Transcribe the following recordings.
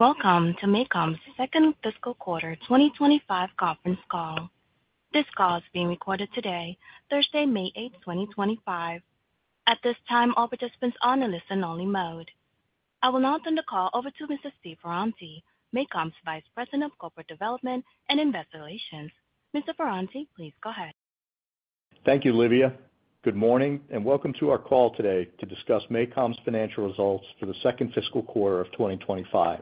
Welcome to MACOM's second fiscal quarter 2025 conference call. This call is being recorded today, Thursday, May 8th, 2025. At this time, all participants are on a listen-only mode. I will now turn the call over to Mr. Steve Ferranti, MACOM's Vice President of Corporate Development and Investor Relations. Mr. Ferranti, please go ahead. Thank you, Olivia. Good morning, and welcome to our call today to discuss MACOM's financial results for the second fiscal quarter of 2025.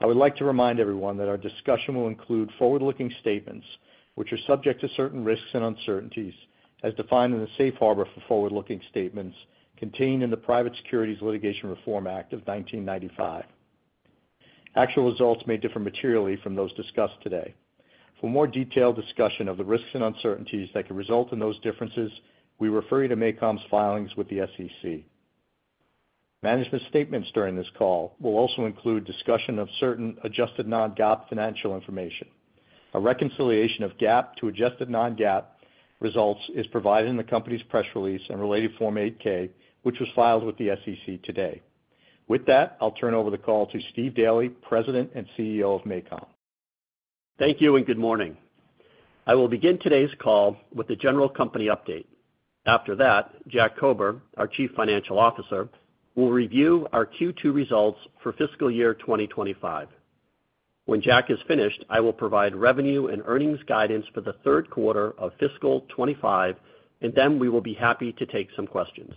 I would like to remind everyone that our discussion will include forward-looking statements, which are subject to certain risks and uncertainties, as defined in the Safe Harbor for forward-looking statements contained in the Private Securities Litigation Reform Act of 1995. Actual results may differ materially from those discussed today. For more detailed discussion of the risks and uncertainties that could result in those differences, we refer you to MACOM's filings with the SEC. Management statements during this call will also include discussion of certain adjusted Non-GAAP financial information. A reconciliation of GAAP to adjusted Non-GAAP results is provided in the company's press release and related Form 8K, which was filed with the SEC today. With that, I'll turn over the call to Steve Daley, President and CEO of MACOM. Thank you, and good morning. I will begin today's call with the general company update. After that, Jack Kober, our Chief Financial Officer, will review our Q2 results for fiscal year 2025. When Jack is finished, I will provide revenue and earnings guidance for the third quarter of fiscal 2025, and then we will be happy to take some questions.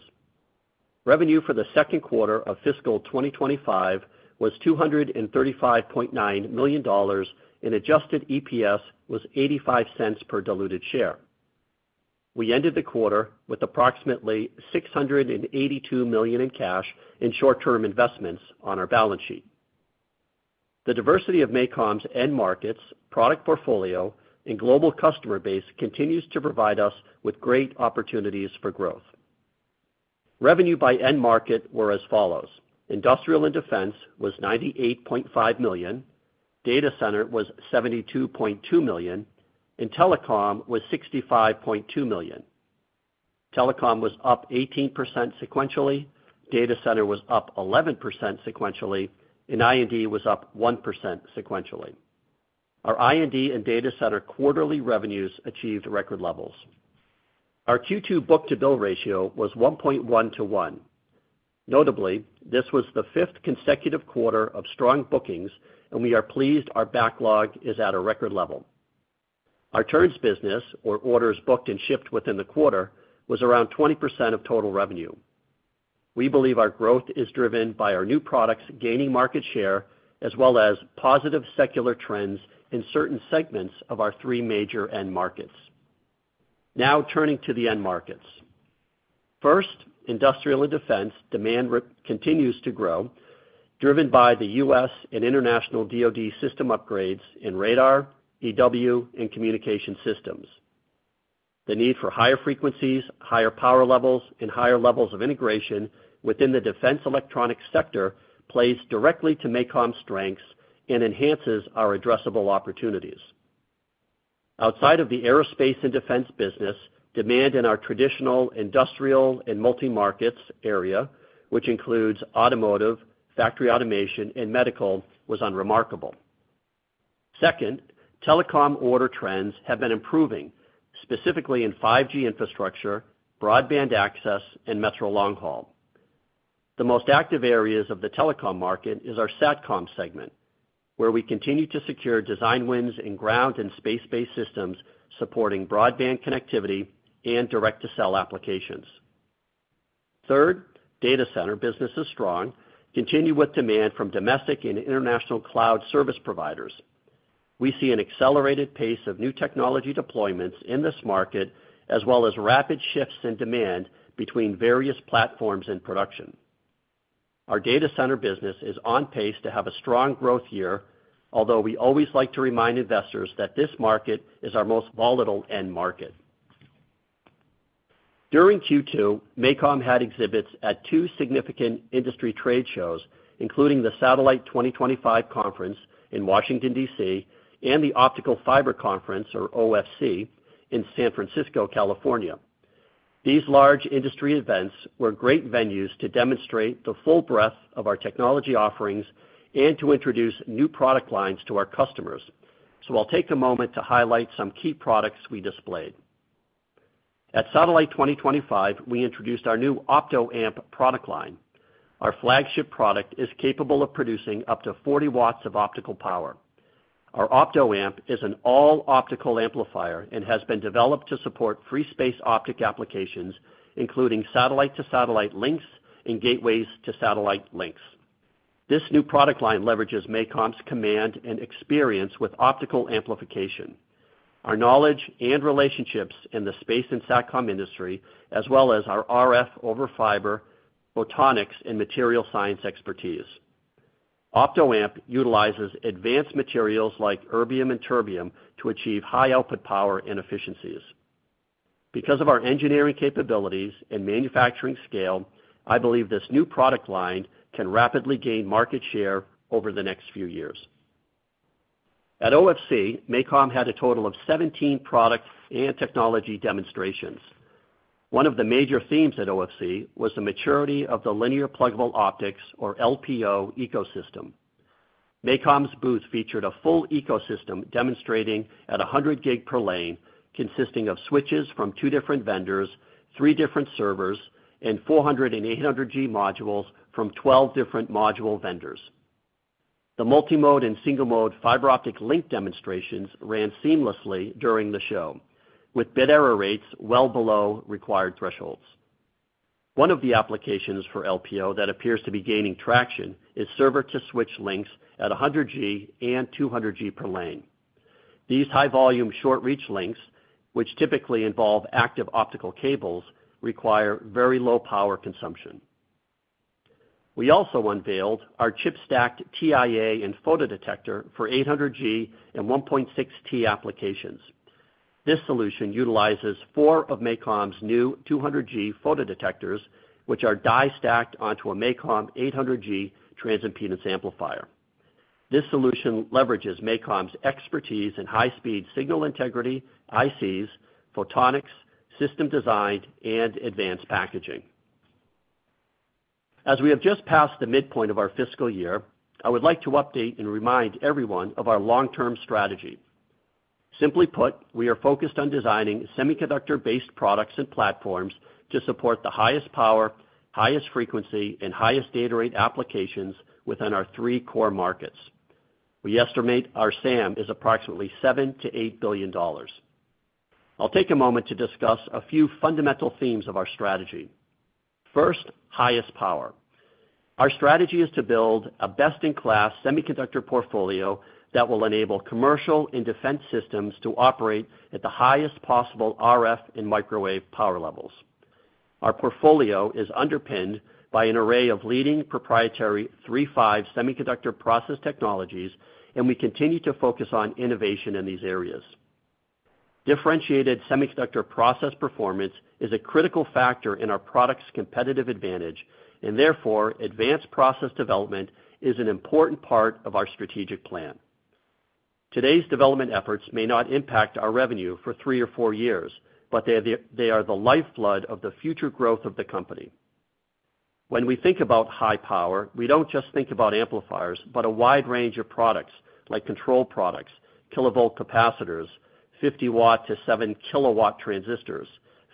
Revenue for the second quarter of fiscal 2025 was $235.9 million, and adjusted EPS was $0.85 per diluted share. We ended the quarter with approximately $682 million in cash and short-term investments on our balance sheet. The diversity of MACOM's end markets, product portfolio, and global customer base continues to provide us with great opportunities for growth. Revenue by end market were as follows: Industrialand Defense was $98.5 million, Data Center was $72.2 million, and Telecom was $65.2 million. Telecom was up 18% sequentially, Data Center was up 11% sequentially, and I&D was up 1% sequentially. Our I&D and Data Center quarterly revenues achieved record levels. Our Q2 book-to-bill ratio was 1.1x1. Notably, this was the fifth consecutive quarter of strong bookings, and we are pleased our backlog is at a record level. Our turns business, or orders booked and shipped within the quarter, was around 20% of total revenue. We believe our growth is driven by our new products gaining market share, as well as positive secular trends in certain segments of our three major end markets. Now, turning to the end markets. First, Industrialand Defense demand continues to grow, driven by the U.S. and international DoD system upgrades in radar, EW, and communication systems. The need for higher frequencies, higher power levels, and higher levels of integration within the Defense electronics sector plays directly to MACOM's strengths and enhances our addressable opportunities. Outside of the aerospace and Defense business, demand in our traditional Industrial and multi-markets area, which includes automotive, factory automation, and medical, was unremarkable. Second, Telecom order trends have been improving, specifically in 5G infrastructure, broadband access, and metro long haul. The most active areas of the Telecom market are our SATCOM segment, where we continue to secure design wins in ground and space-based systems supporting broadband connectivity and direct-to-cell applications. Third, Data Center business is strong, continued with demand from domestic and international cloud service providers. We see an accelerated pace of new technology deployments in this market, as well as rapid shifts in demand between various platforms and production. Our Data Center business is on pace to have a strong growth year, although we always like to remind investors that this market is our most volatile end market. During Q2, MACOM had exhibits at two significant industry trade shows, including the Satellite 2025 Conference in Washington, D.C., and the Optical Fiber Conference, or OFC, in San Francisco, California. These large industry events were great venues to demonstrate the full breadth of our technology offerings and to introduce new product lines to our customers. I will take a moment to highlight some key products we displayed. At Satellite 2025, we introduced our new Opto-Amp product line. Our flagship product is capable of producing up to 40 W of optical power. Our Opto-Amp is an all-optical amplifier and has been developed to support free-space optic applications, including satellite-to-satellite links and gateways to satellite links. This new product line leverages MACOM's command and experience with optical amplification, our knowledge and relationships in the space and SATCOM industry, as well as our RF over fiber, photonics, and material science expertise. Opto-Amp utilizes advanced materials like erbium and terbium to achieve high output power and efficiencies. Because of our engineering capabilities and manufacturing scale, I believe this new product line can rapidly gain market share over the next few years. At OFC, MACOM had a total of 17 product and technology demonstrations. One of the major themes at OFC was the maturity of the linear pluggable optics, or LPO, ecosystem. MACOM's booth featured a full ecosystem demonstrating at 100 Gb per lane, consisting of switches from two different vendors, three different servers, and 400 Gb and 800 Gb modules from 12 different module vendors. The multi-mode and single-mode fiber optic link demonstrations ran seamlessly during the show, with bit error rates well below required thresholds. One of the applications for LPO that appears to be gaining traction is server-to-switch links at 100 Gb and 200 Gb per lane. These high-volume short-reach links, which typically involve active optical cables, require very low power consumption. We also unveiled our chip-stacked TIA and photodetector for 800 Gb and 1.6T applications. This solution utilizes four of MACOM's new 200 Gb photodetectors, which are die-stacked onto a MACOM 800 Gb transimpedance amplifier. This solution leverages MACOM's expertise in high-speed signal integrity, ICs, photonics, system design, and advanced packaging. As we have just passed the midpoint of our fiscal year, I would like to update and remind everyone of our long-term strategy. Simply put, we are focused on designing semiconductor-based products and platforms to support the highest power, highest frequency, and highest data rate applications within our three core markets. We estimate our SAM is approximately $7 billion-$8 billion. I'll take a moment to discuss a few fundamental themes of our strategy. First, highest power. Our strategy is to build a best-in-class semiconductor portfolio that will enable commercial and Defense systems to operate at the highest possible RF and microwave power levels. Our portfolio is underpinned by an array of leading proprietary III-V semiconductor process technologies, and we continue to focus on innovation in these areas. Differentiated semiconductor process performance is a critical factor in our product's competitive advantage, and therefore, advanced process development is an important part of our strategic plan. Today's development efforts may not impact our revenue for three or four years, but they are the lifeblood of the future growth of the company. When we think about high power, we don't just think about amplifiers, but a wide range of products like control products, kilovolt capacitors, 50 W to 7 kW transistors,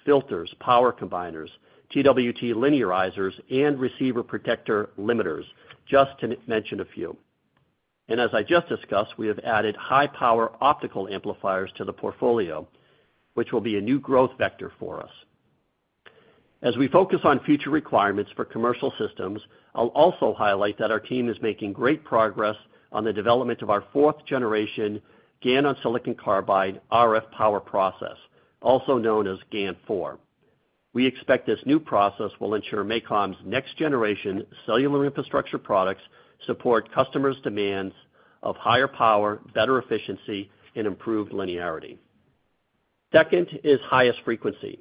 filters, power combiners, TWT linearizers, and receiver protector limiters, just to mention a few. As I just discussed, we have added high-power optical amplifiers to the portfolio, which will be a new growth vector for us. As we focus on future requirements for commercial systems, I'll also highlight that our team is making great progress on the development of our fourth-generation GaN on silicon carbide RF power process, also known as GaN4. We expect this new process will ensure MACOM's next-generation cellular infrastructure products support customers' demands of higher power, better efficiency, and improved linearity. Second is highest frequency.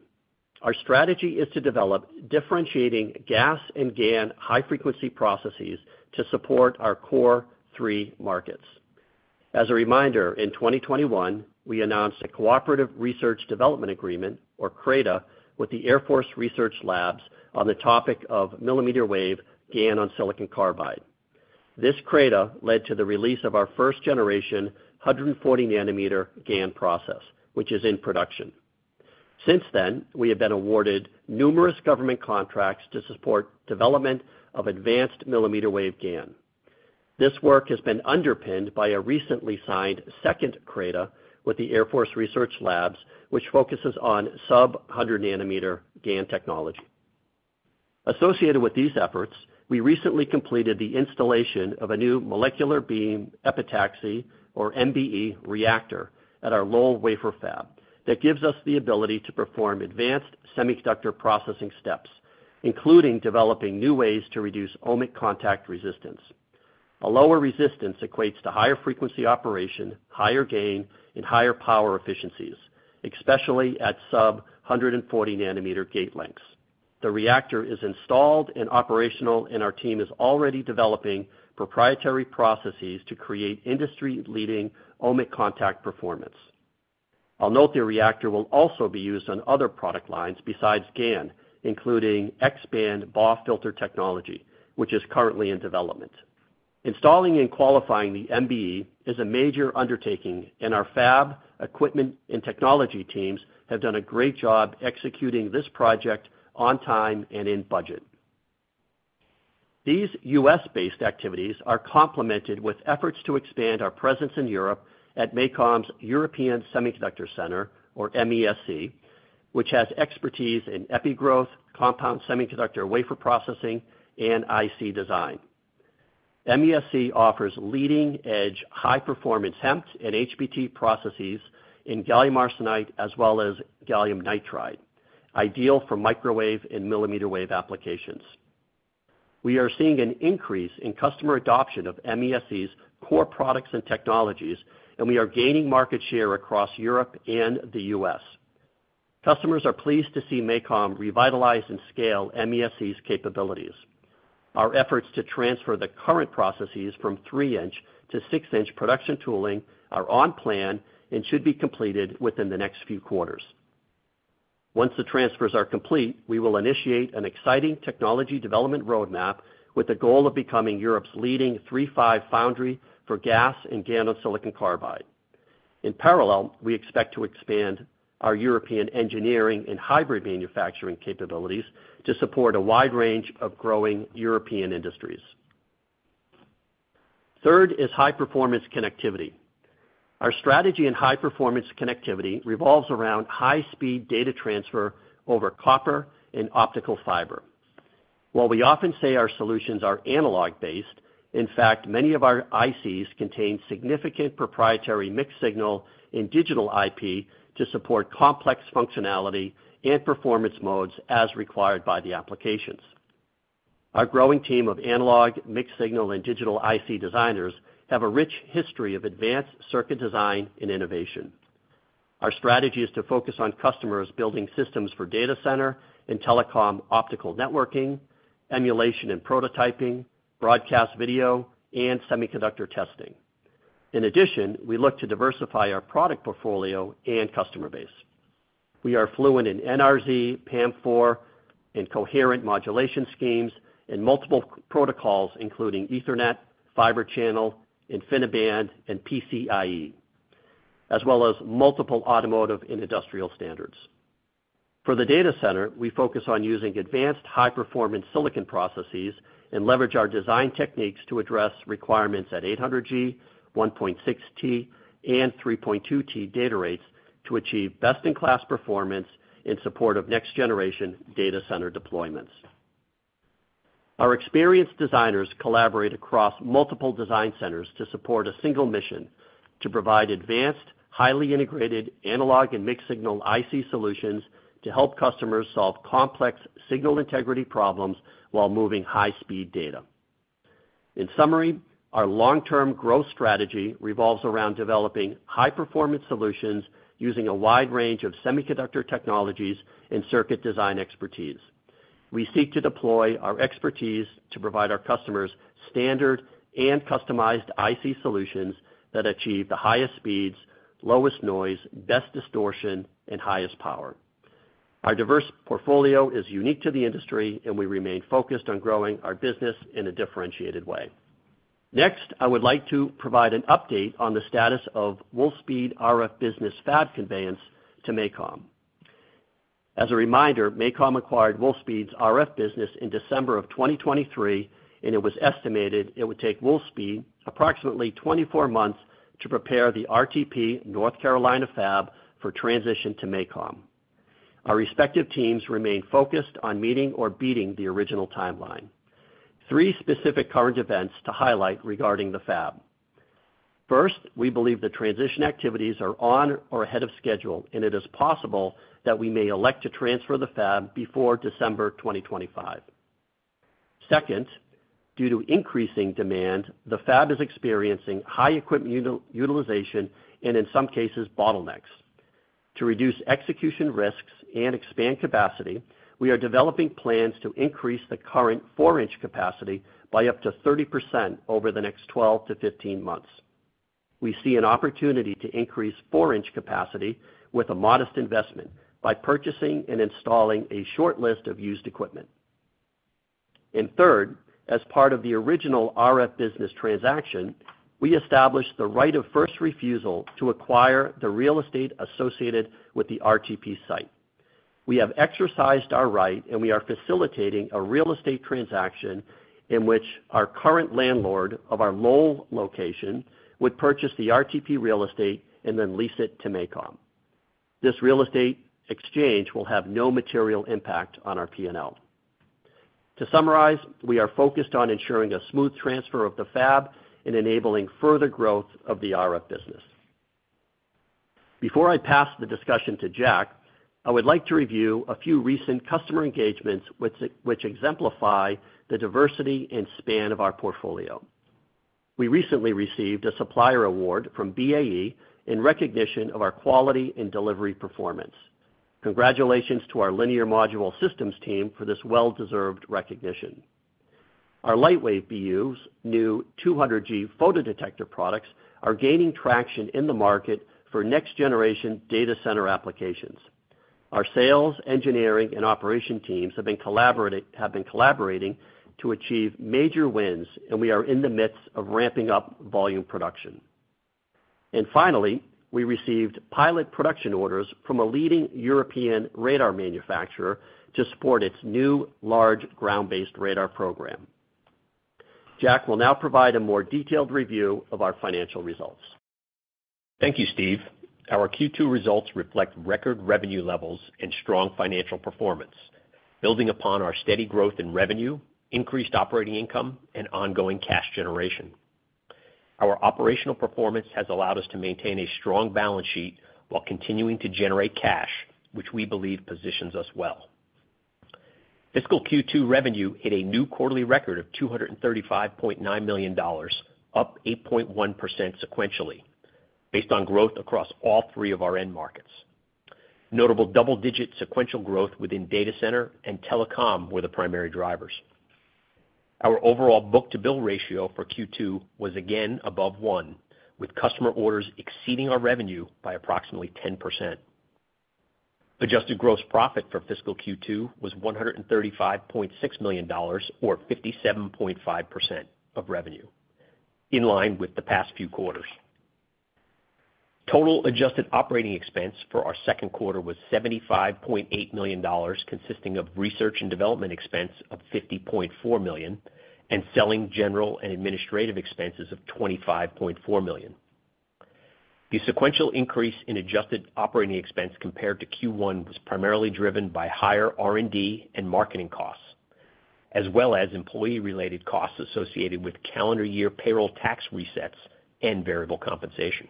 Our strategy is to develop differentiating GaAs and GaN high-frequency processes to support our core three markets. As a reminder, in 2021, we announced a Cooperative Research and Development Agreement, or CRADA, with the Air Force Research Labs on the topic of millimeter wave GaN on silicon carbide. This CRADA led to the release of our first-generation 140-nanometer GaN process, which is in production. Since then, we have been awarded numerous government contracts to support development of advanced millimeter wave GaN. This work has been underpinned by a recently signed second CRADA with the Air Force Research Labs, which focuses on sub-100-nanometer GaN technology. Associated with these efforts, we recently completed the installation of a new Molecular Beamepitaxy, or MBE, reactor at our Lowell wafer fab that gives us the ability to perform advanced semiconductor processing steps, including developing new ways to reduce ohmic contact resistance. A lower resistance equates to higher frequency operation, higher gain, and higher power efficiencies, especially at sub-140-nanometer gate lengths. The reactor is installed and operational, and our team is already developing proprietary processes to create industry-leading ohmic contact performance. I'll note the reactor will also be used on other product lines besides GaN, including X-band BAW filter technology, which is currently in development. Installing and qualifying the MBE is a major undertaking, and our fab, equipment, and technology teams have done a great job executing this project on time and in budget. These U.S.-based activities are complemented with efforts to expand our presence in Europe at MACOM's European Semiconductor Center, or MESC, which has expertise in epi growth, compound semiconductor wafer processing, and IC design. MESC offers leading-edge high-performance HEMT and HBT processes in gallium arsenide, as well as gallium nitride, ideal for microwave and millimeter wave applications. We are seeing an increase in customer adoption of MESC's core products and technologies, and we are gaining market share across Europe and the U.S. Customers are pleased to see MACOM revitalize and scale MESC's capabilities. Our efforts to transfer the current processes from 3-inch to 6-inch production tooling are on plan and should be completed within the next few quarters. Once the transfers are complete, we will initiate an exciting technology development roadmap with the goal of becoming Europe's leading III-V foundry for GaAs and GaN on silicon carbide. In parallel, we expect to expand our European engineering and hybrid manufacturing capabilities to support a wide range of growing European industries. Third is high-performance connectivity. Our strategy in high-performance connectivity revolves around high-speed data transfer over copper and optical fiber. While we often say our solutions are analog-based, in fact, many of our ICs contain significant proprietary mixed signal and digital IP to support complex functionality and performance modes as required by the applications. Our growing team of analog, mixed signal, and digital IC designers have a rich history of advanced circuit design and innovation. Our strategy is to focus on customers building systems for Data Center and Telecom optical networking, emulation and prototyping, broadcast video, and semiconductor testing. In addition, we look to diversify our product portfolio and customer base. We are fluent in NRZ, PAM4, and coherent modulation schemes, and multiple protocols, including Ethernet, fiber channel, InfiniBand, and PCIE, as well as multiple automotive and Industrial standards. For the Data Center, we focus on using advanced high-performance silicon processes and leverage our design techniques to address requirements at 800 Gb, 1.6T, and 3.2T data rates to achieve best-in-class performance in support of next-generation Data Center deployments. Our experienced designers collaborate across multiple design centers to support a single mission: to provide advanced, highly integrated analog and mixed signal IC solutions to help customers solve complex signal integrity problems while moving high-speed data. In summary, our long-term growth strategy revolves around developing high-performance solutions using a wide range of semiconductor technologies and circuit design expertise. We seek to deploy our expertise to provide our customers standard and customized IC solutions that achieve the highest speeds, lowest noise, best distortion, and highest power. Our diverse portfolio is unique to the industry, and we remain focused on growing our business in a differentiated way. Next, I would like to provide an update on the status of Wolfspeed RF Business fab conveyance to MACOM. As a reminder, MACOM acquired Wolfspeed's RF business in December of 2023, and it was estimated it would take Wolfspeed approximately 24 months to prepare the RTP North Carolina fab for transition to MACOM. Our respective teams remain focused on meeting or beating the original timeline. Three specific current events to highlight regarding the fab. First, we believe the transition activities are on or ahead of schedule, and it is possible that we may elect to transfer the fab before December 2025. Second, due to increasing demand, the fab is experiencing high equipment utilization and, in some cases, bottlenecks. To reduce execution risks and expand capacity, we are developing plans to increase the current 4-inch capacity by up to 30% over the next 12-15 months. We see an opportunity to increase 4-inch capacity with a modest investment by purchasing and installing a short list of used equipment. Third, as part of the original RF business transaction, we established the right of first refusal to acquire the real estate associated with the RTP site. We have exercised our right, and we are facilitating a real estate transaction in which our current landlord of our Lowell location would purchase the RTP real estate and then lease it to MACOM. This real estate exchange will have no material impact on our P&L. To summarize, we are focused on ensuring a smooth transfer of the fab and enabling further growth of the RF business. Before I pass the discussion to Jack, I would like to review a few recent customer engagements which exemplify the diversity and span of our portfolio. We recently received a supplier award from BAE Systems in recognition of our quality and delivery performance. Congratulations to our linear module systems team for this well-deserved recognition. Our lightweight BUs, new 200 Gb Photodetector products, are gaining traction in the market for next-generation Data Center applications. Our sales, engineering, and operation teams have been collaborating to achieve major wins, and we are in the midst of ramping up volume production. We received pilot production orders from a leading European radar manufacturer to support its new large ground-based radar program. Jack will now provide a more detailed review of our financial results. Thank you, Steve. Our Q2 results reflect record revenue levels and strong financial performance, building upon our steady growth in revenue, increased operating income, and ongoing cash generation. Our operational performance has allowed us to maintain a strong balance sheet while continuing to generate cash, which we believe positions us well. Fiscal Q2 revenue hit a new quarterly record of $235.9 million, up 8.1% sequentially, based on growth across all three of our end markets. Notable double-digit sequential growth within Data Center and Telecom were the primary drivers. Our overall book-to-bill ratio for Q2 was again above one, with customer orders exceeding our revenue by approximately 10%. Adjusted gross profit for fiscal Q2 was $135.6 million, or 57.5% of revenue, in line with the past few quarters. Total adjusted operating expense for our second quarter was $75.8 million, consisting of research and development expense of $50.4 million and selling general and administrative expenses of $25.4 million. The sequential increase in adjusted operating expense compared to Q1 was primarily driven by higher R&D and marketing costs, as well as employee-related costs associated with calendar year payroll tax resets and variable compensation.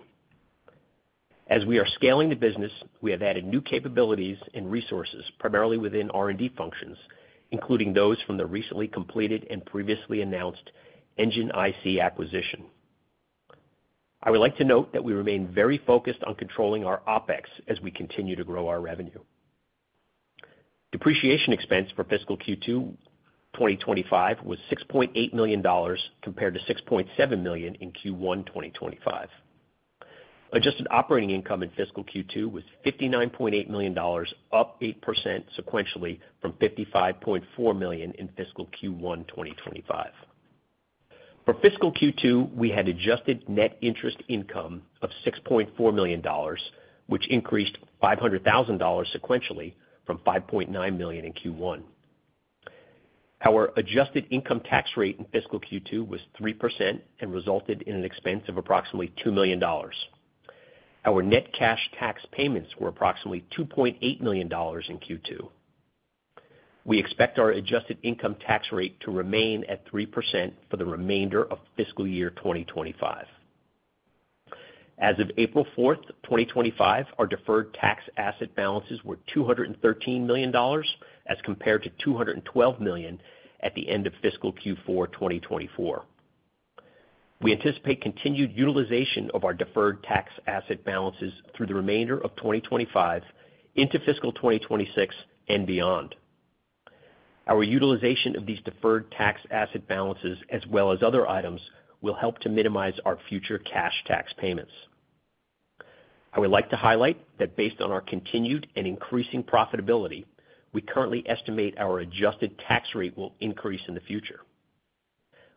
As we are scaling the business, we have added new capabilities and resources, primarily within R&D functions, including those from the recently completed and previously announced ENGIN-IC acquisition. I would like to note that we remain very focused on controlling our OpEx as we continue to grow our revenue. Depreciation expense for fiscal Q2 2025 was $6.8 million compared to $6.7 million in Q1 2025. Adjusted operating income in fiscal Q2 was $59.8 million, up 8% sequentially from $55.4 million in fiscal Q1 2025. For fiscal Q2, we had adjusted net interest income of $6.4 million, which increased $500,000 sequentially from $5.9 million in Q1. Our adjusted income tax rate in fiscal Q2 was 3% and resulted in an expense of approximately $2 million. Our net cash tax payments were approximately $2.8 million in Q2. We expect our adjusted income tax rate to remain at 3% for the remainder of fiscal year 2025. As of April 4th, 2025, our deferred tax asset balances were $213 million as compared to $212 million at the end of fiscal Q4 2024. We anticipate continued utilization of our deferred tax asset balances through the remainder of 2025 into fiscal 2026 and beyond. Our utilization of these deferred tax asset balances, as well as other items, will help to minimize our future cash tax payments. I would like to highlight that based on our continued and increasing profitability, we currently estimate our adjusted tax rate will increase in the future.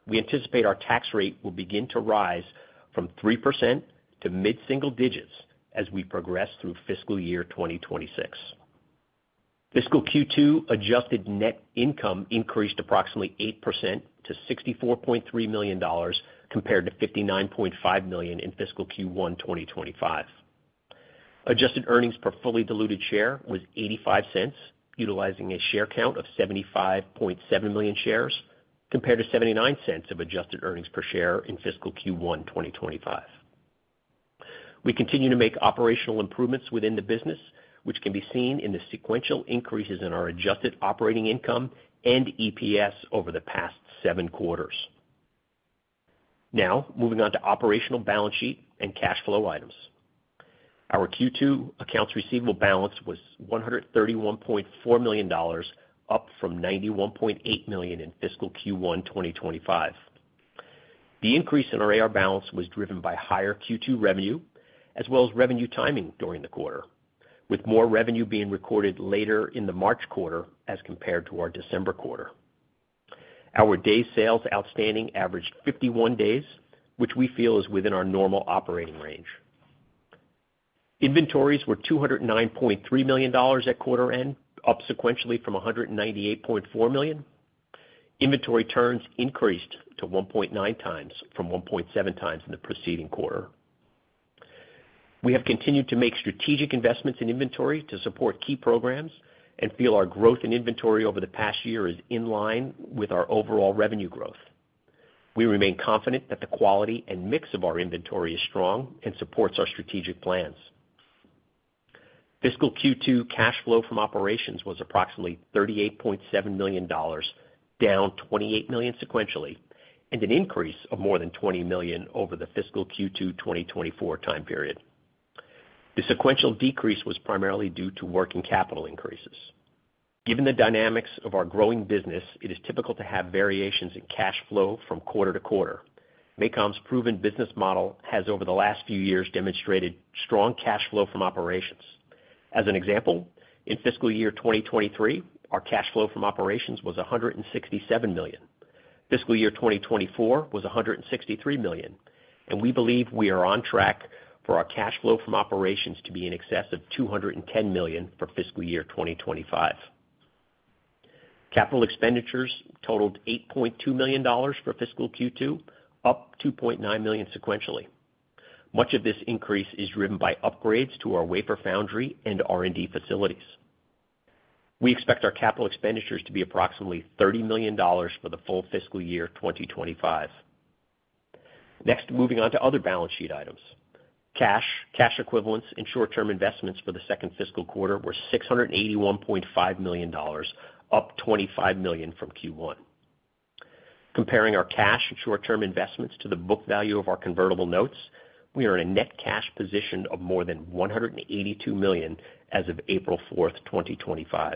We anticipate our tax rate will begin to rise from 3% to mid-single digits as we progress through fiscal year 2026. Fiscal Q2 adjusted net income increased approximately 8% to $64.3 million compared to $59.5 million in fiscal Q1 2025. Adjusted earnings per fully diluted share was $0.85, utilizing a share count of $75.7 million shares compared to $0.79 of adjusted earnings per share in fiscal Q1 2025. We continue to make operational improvements within the business, which can be seen in the sequential increases in our adjusted operating income and EPS over the past seven quarters. Now, moving on to operational balance sheet and cash flow items. Our Q2 accounts receivable balance was $131.4 million, up from $91.8 million in fiscal Q1 2025. The increase in our AR balance was driven by higher Q2 revenue, as well as revenue timing during the quarter, with more revenue being recorded later in the March quarter as compared to our December quarter. Our day sales outstanding averaged 51 days, which we feel is within our normal operating range. Inventories were $209.3 million at quarter end, up sequentially from $198.4 million. Inventory turns increased to 1.9x from 1.7x in the preceding quarter. We have continued to make strategic investments in inventory to support key programs and feel our growth in inventory over the past year is in line with our overall revenue growth. We remain confident that the quality and mix of our inventory is strong and supports our strategic plans. Fiscal Q2 cash flow from operations was approximately $38.7 million, down $28 million sequentially, and an increase of more than $20 million over the fiscal Q2 2024 time period. The sequential decrease was primarily due to working capital increases. Given the dynamics of our growing business, it is typical to have variations in cash flow from quarter to quarter. MACOM's proven business model has, over the last few years, demonstrated strong cash flow from operations. As an example, in fiscal year 2023, our cash flow from operations was $167 million. Fiscal year 2024 was $163 million, and we believe we are on track for our cash flow from operations to be in excess of $210 million for fiscal year 2025. Capital expenditures totaled $8.2 million for fiscal Q2, up $2.9 million sequentially. Much of this increase is driven by upgrades to our wafer foundry and R&D facilities. We expect our capital expenditures to be approximately $30 million for the full fiscal year 2025. Next, moving on to other balance sheet items. Cash, cash equivalents, and short-term investments for the second fiscal quarter were $681.5 million, up $25 million from Q1. Comparing our cash and short-term investments to the book value of our convertible notes, we are in a net cash position of more than $182 million as of April 4th, 2025.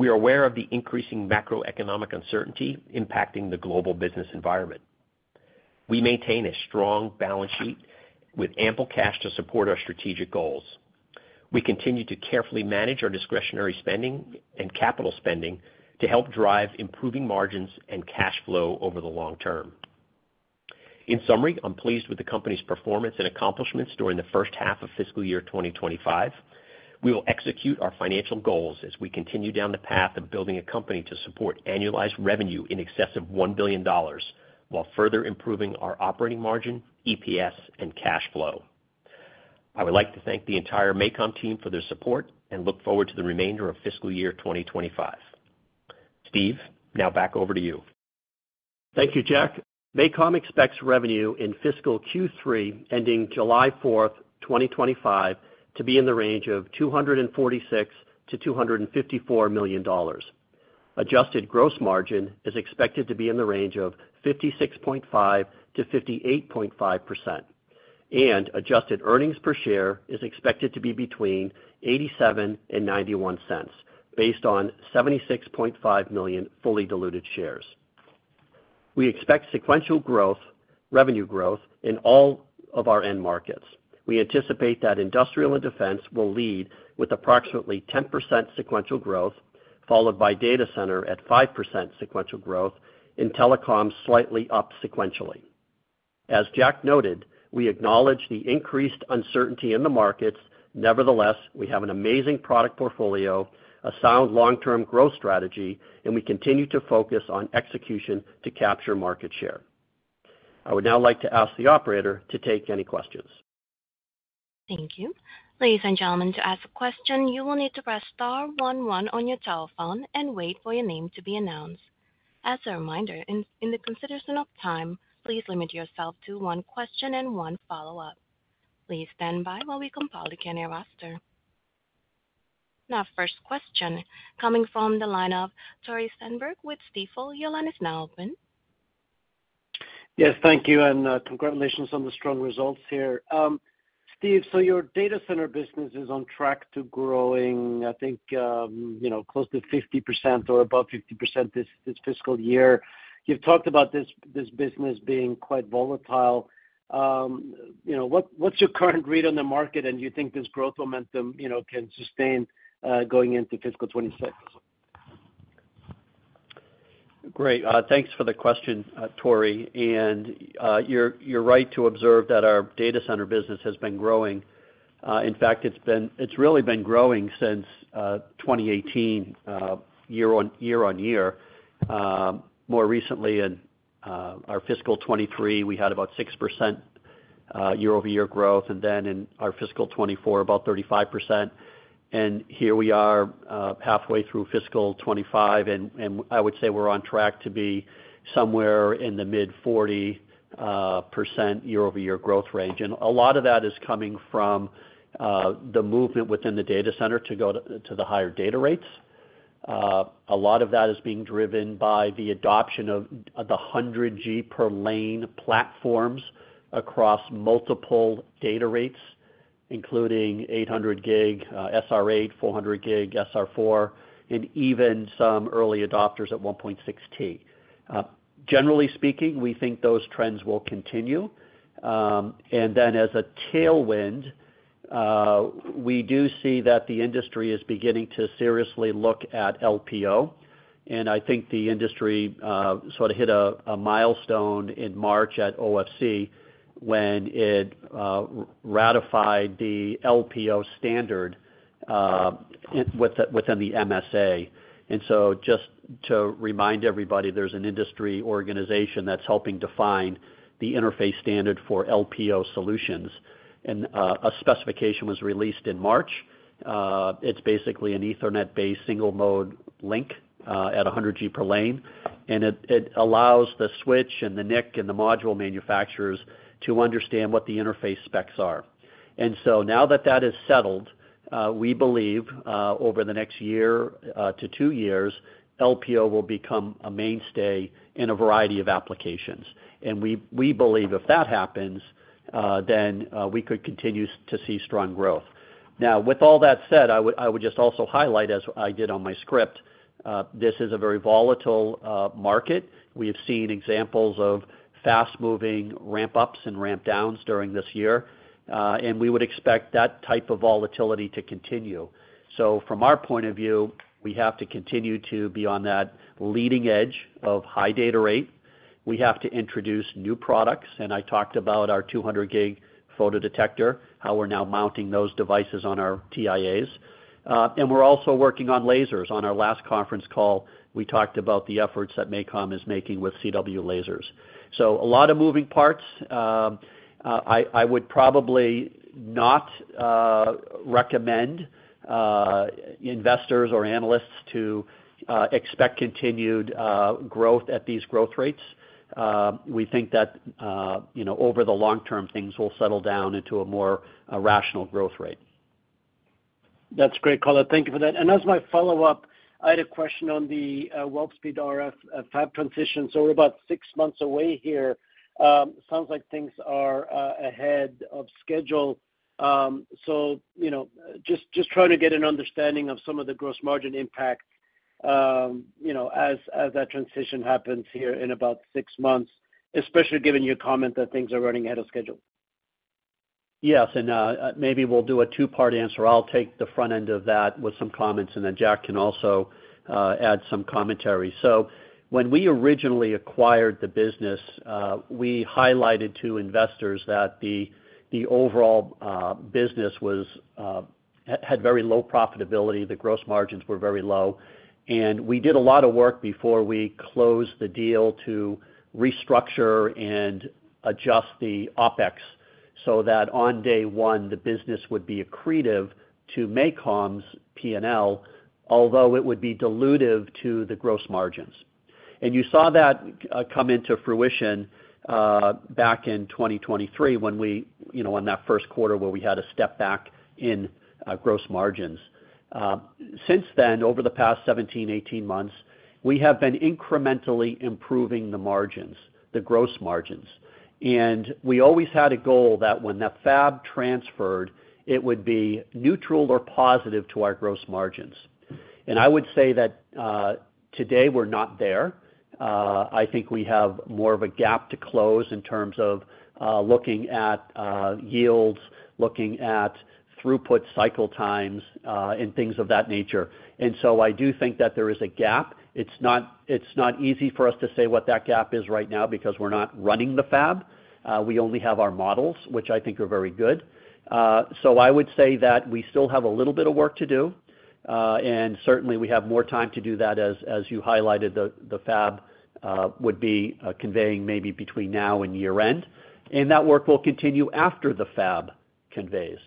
We are aware of the increasing macroeconomic uncertainty impacting the global business environment. We maintain a strong balance sheet with ample cash to support our strategic goals. We continue to carefully manage our discretionary spending and capital spending to help drive improving margins and cash flow over the long term. In summary, I'm pleased with the company's performance and accomplishments during the first half of fiscal year 2025. We will execute our financial goals as we continue down the path of building a company to support annualized revenue in excess of $1 billion while further improving our operating margin, EPS, and cash flow. I would like to thank the entire MACOM team for their support and look forward to the remainder of fiscal year 2025. Steve, now back over to you. Thank you, Jack. MACOM expects revenue in fiscal Q3 ending July 4th, 2025, to be in the range of $246 million-$254 million. Adjusted gross margin is expected to be in the range of 56.5%-58.5%, and adjusted earnings per share is expected to be between $0.87 and $0.91, based on $76.5 million fully diluted shares. We expect sequential growth, revenue growth in all of our end markets. We anticipate that Industrialand Defense will lead with approximately 10% sequential growth, followed by Data Center at 5% sequential growth, and Telecoms slightly up sequentially. As Jack noted, we acknowledge the increased uncertainty in the markets. Nevertheless, we have an amazing product portfolio, a sound long-term growth strategy, and we continue to focus on execution to capture market share. I would now like to ask the operator to take any questions. Thank you. Ladies and gentlemen, to ask a question, you will need to press star one one on your telephone and wait for your name to be announced. As a reminder, in the consideration of time, please limit yourself to one question and one follow-up. Please stand by while we compile the candidate roster. Now, first question coming from the line of Tori Stenberg with Stifel. Your line is now open. Yes, thank you, and congratulations on the strong results here. Steve, so your Data Center business is on track to growing, I think, close to 50% or above 50% this fiscal year. You've talked about this business being quite volatile. What's your current read on the market, and do you think this growth momentum can sustain going into fiscal 2026? Great. Thanks for the question, Tori. And you're right to observe that our Data Center business has been growing. In fact, it's really been growing since 2018, year-on-year. More recently, in our fiscal 2023, we had about 6% year-over-year growth, and then in our fiscal 2024, about 35%. And here we are halfway through fiscal 2025, and I would say we're on track to be somewhere in the mid-40% year-over-year growth range. A lot of that is coming from the movement within the Data Center to go to the higher data rates. A lot of that is being driven by the adoption of the 100 Gb per lane platforms across multiple data rates, including 800 Gb, SR8, 400 Gb, SR4, and even some early adopters at 1.6T. Generally speaking, we think those trends will continue. As a tailwind, we do see that the industry is beginning to seriously look at LPO. I think the industry sort of hit a milestone in March at OFC when it ratified the LPO standard within the MSA. Just to remind everybody, there is an industry organization that is helping define the interface standard for LPO solutions. A specification was released in March. It is basically an Ethernet-based single-mode link at 100 Gb per lane. It allows the switch and the NIC and the module manufacturers to understand what the interface specs are. Now that that is settled, we believe over the next year to two years, LPO will become a mainstay in a variety of applications. We believe if that happens, then we could continue to see strong growth. With all that said, I would just also highlight, as I did on my script, this is a very volatile market. We have seen examples of fast-moving ramp-ups and ramp-downs during this year, and we would expect that type of volatility to continue. From our point of view, we have to continue to be on that leading edge of high data rate. We have to introduce new products. I talked about our 200 Gb Photodetector, how we're now mounting those devices on our TIAs. We're also working on lasers. On our last conference call, we talked about the efforts that MACOM is making with CW lasers. A lot of moving parts. I would probably not recommend investors or analysts to expect continued growth at these growth rates. We think that over the long term, things will settle down into a more rational growth rate. That's great, color. Thank you for that. As my follow-up, I had a question on the Wolfspeed RF fab transition. We're about six months away here. Sounds like things are ahead of schedule. Just trying to get an understanding of some of the gross margin impact as that transition happens here in about six months, especially given your comment that things are running ahead of schedule. Yes. Maybe we'll do a two-part answer. I'll take the front end of that with some comments, and then Jack can also add some commentary. When we originally acquired the business, we highlighted to investors that the overall business had very low profitability. The gross margins were very low. We did a lot of work before we closed the deal to restructure and adjust the OpEx so that on day one, the business would be accretive to MACOM's P&L, although it would be dilutive to the gross margins. You saw that come into fruition back in 2023 in that first quarter where we had a step back in gross margins. Since then, over the past 17-18 months, we have been incrementally improving the margins, the gross margins. We always had a goal that when that fab transferred, it would be neutral or positive to our gross margins. I would say that today we're not there. I think we have more of a gap to close in terms of looking at yields, looking at throughput cycle times, and things of that nature. I do think that there is a gap. It's not easy for us to say what that gap is right now because we're not running the fab. We only have our models, which I think are very good. I would say that we still have a little bit of work to do. Certainly, we have more time to do that, as you highlighted, the fab would be conveying maybe between now and year-end. That work will continue after the fab conveys.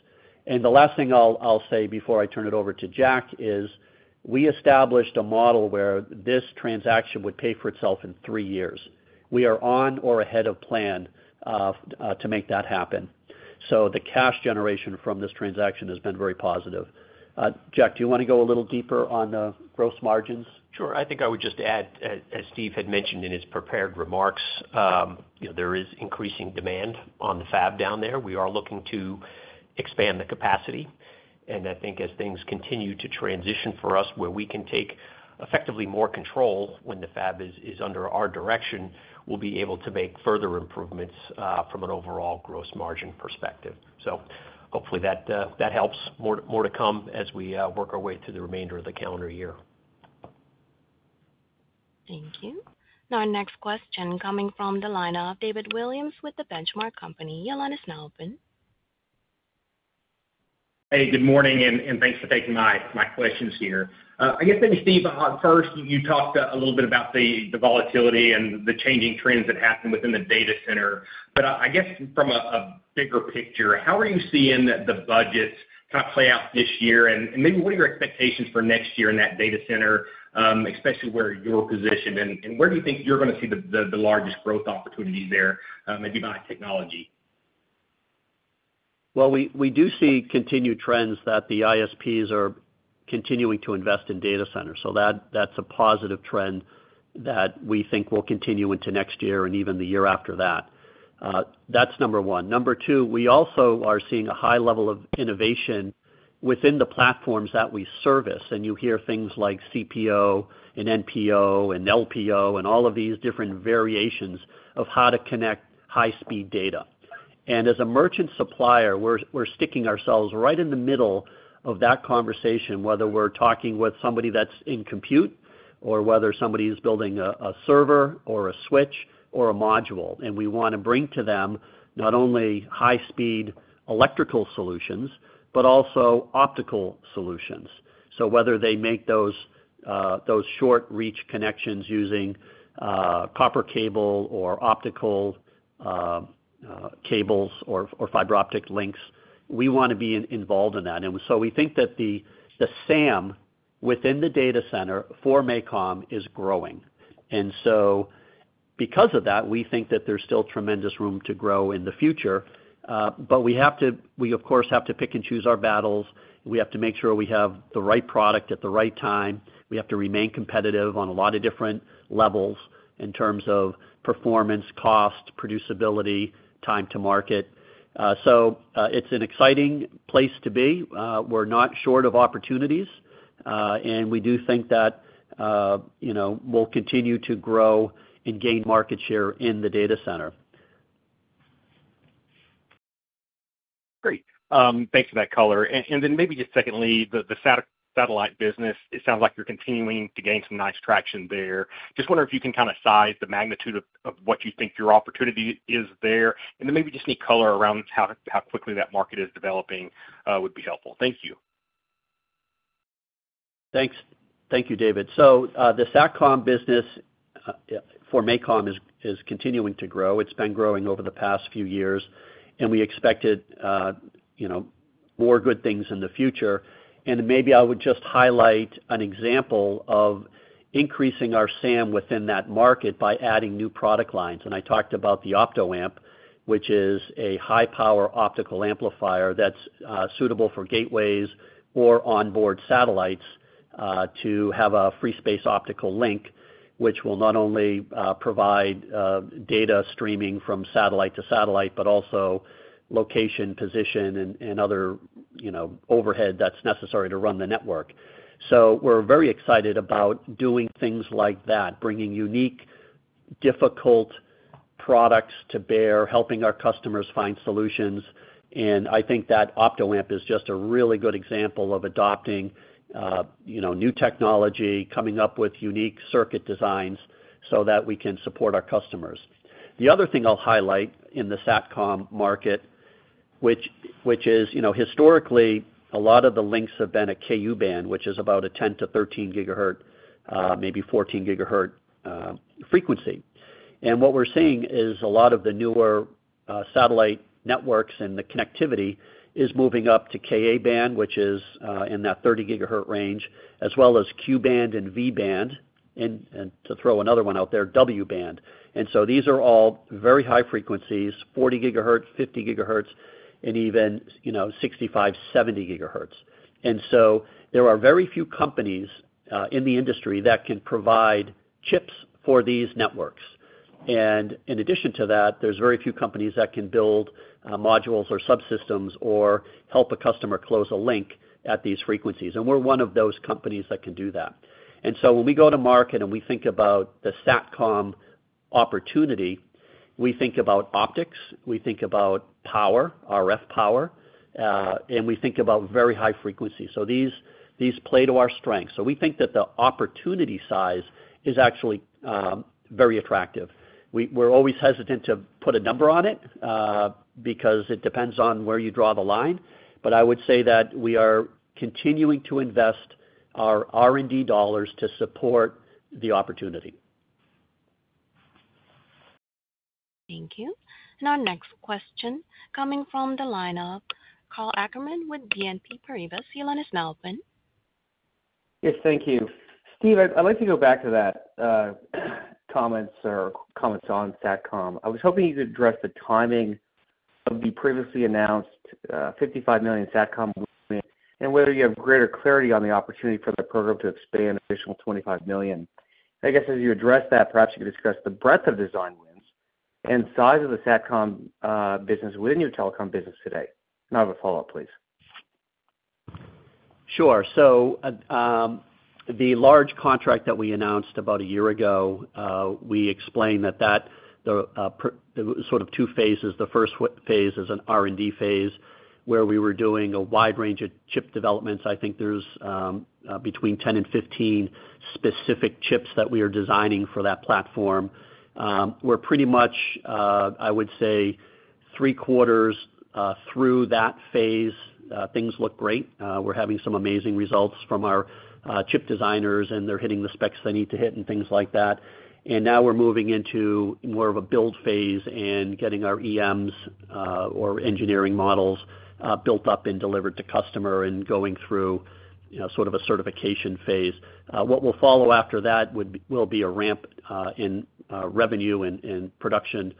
The last thing I'll say before I turn it over to Jack is we established a model where this transaction would pay for itself in three years. We are on or ahead of plan to make that happen. The cash generation from this transaction has been very positive. Jack, do you want to go a little deeper on the gross margins? Sure. I think I would just add, as Steve had mentioned in his prepared remarks, there is increasing demand on the fab down there. We are looking to expand the capacity. I think as things continue to transition for us where we can take effectively more control when the fab is under our direction, we'll be able to make further improvements from an overall gross margin perspective. Hopefully that helps. More to come as we work our way through the remainder of the calendar year. Thank you. Now, our next question coming from the line of David Williams with the Benchmark Company. Your line, is now open. Hey, good morning, and thanks for taking my questions here. I guess, maybe Steve, first, you talked a little bit about the volatility and the changing trends that happened within the Data Center. I guess from a bigger picture, how are you seeing the budgets kind of play out this year? Maybe what are your expectations for next year in that Data Center, especially where you're positioned? Where do you think you're going to see the largest growth opportunities there, maybe by technology? We do see continued trends that the ISPs are continuing to invest in Data Centers. That's a positive trend that we think will continue into next year and even the year after that. That's number one. Number two, we also are seeing a high level of innovation within the platforms that we service. You hear things like CPO and NPO and LPO and all of these different variations of how to connect high-speed data. As a merchant supplier, we're sticking ourselves right in the middle of that conversation, whether we're talking with somebody that's in compute or whether somebody is building a server or a switch or a module. We want to bring to them not only high-speed electrical solutions, but also optical solutions. Whether they make those short-reach connections using copper cable or optical cables or fiber optic links, we want to be involved in that. We think that the SAM within the Data Center for MACOM is growing. Because of that, we think that there's still tremendous room to grow in the future. We, of course, have to pick and choose our battles. We have to make sure we have the right product at the right time. We have to remain competitive on a lot of different levels in terms of performance, cost, producibility, time to market. It is an exciting place to be. We are not short of opportunities. We do think that we will continue to grow and gain market share in the Data Center. Great. Thanks for that, color. Maybe just secondly, the satellite business, it sounds like you are continuing to gain some nice traction there. Just wondering if you can kind of size the magnitude of what you think your opportunity is there. Maybe just any color around how quickly that market is developing would be helpful. Thank you. Thanks. Thank you, David. The SATCOM business for MACOM is continuing to grow. It has been growing over the past few years. We expected more good things in the future. Maybe I would just highlight an example of increasing our SAM within that market by adding new product lines. I talked about the Opto-Amp, which is a high-power optical amplifier that is suitable for gateways or onboard satellites to have a free space optical link, which will not only provide data streaming from satellite to satellite, but also location, position, and other overhead that is necessary to run the network. We are very excited about doing things like that, bringing unique, difficult products to bear, helping our customers find solutions. I think that Opto-Amp is just a really good example of adopting new technology, coming up with unique circuit designs so that we can support our customers. The other thing I'll highlight in the SATCOM market, which is historically, a lot of the links have been at Ku-band, which is about a 10 GHz-13 GHz, maybe 14 GHz frequency. What we're seeing is a lot of the newer satellite networks and the connectivity is moving up to Ka-band, which is in that 30 GHz range, as well as Q-band and V-and, and to throw another one out there, W-band. These are all very high frequencies, 40 GHz, 50 GHz, and even 65GHz, 70 GHz. There are very few companies in the industry that can provide chips for these networks. In addition to that, there's very few companies that can build modules or subsystems or help a customer close a link at these frequencies. We're one of those companies that can do that. When we go to market and we think about the SATCOM opportunity, we think about optics, we think about power, RF power, and we think about very high frequencies. These play to our strengths. We think that the opportunity size is actually very attractive. We're always hesitant to put a number on it because it depends on where you draw the line. I would say that we are continuing to invest our R&D dollars to support the opportunity. Thank you. Our next question coming from the line of Karl Ackerman with BNP Paribas, your line is now open. Yes, thank you. Steve, I'd like to go back to that comment or comments on SATCOM. I was hoping you could address the timing of the previously announced $55 million SATCOM and whether you have greater clarity on the opportunity for the program to expand additional $25 million. I guess as you address that, perhaps you could discuss the breadth of design wins and size of the SATCOM business within your Telecom business today. Now, I have a follow-up, please. Sure. So the large contract that we announced about a year ago, we explained that there were sort of two phases. The first phase is an R&D phase where we were doing a wide range of chip developments. I think there's between 10 and 15 specific chips that we are designing for that platform. We're pretty much, I would say, three quarters through that phase. Things look great. We're having some amazing results from our chip designers, and they're hitting the specs they need to hit and things like that. Now we're moving into more of a build phase and getting our EMs or Engineering Models built up and delivered to customer and going through sort of a certification phase. What will follow after that will be a ramp in revenue and production.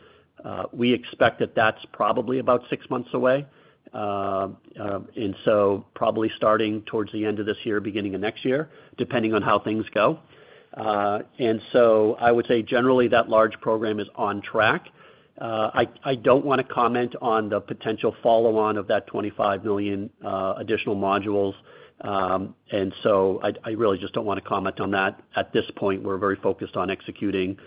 We expect that that's probably about six months away. Probably starting towards the end of this year, beginning of next year, depending on how things go. I would say generally that large program is on track. I don't want to comment on the potential follow-on of that $25 million additional modules. I really just don't want to comment on that at this point. We're very focused on executing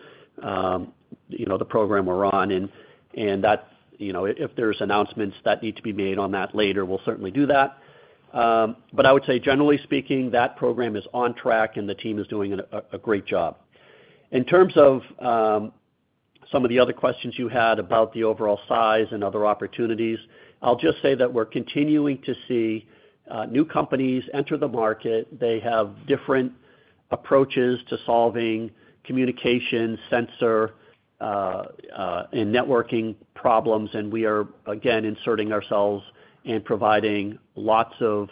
the program we're on. If there are announcements that need to be made on that later, we will certainly do that. I would say, generally speaking, that program is on track, and the team is doing a great job. In terms of some of the other questions you had about the overall size and other opportunities, I will just say that we are continuing to see new companies enter the market. They have different approaches to solving communication, sensor, and networking problems. We are, again, inserting ourselves and providing lots of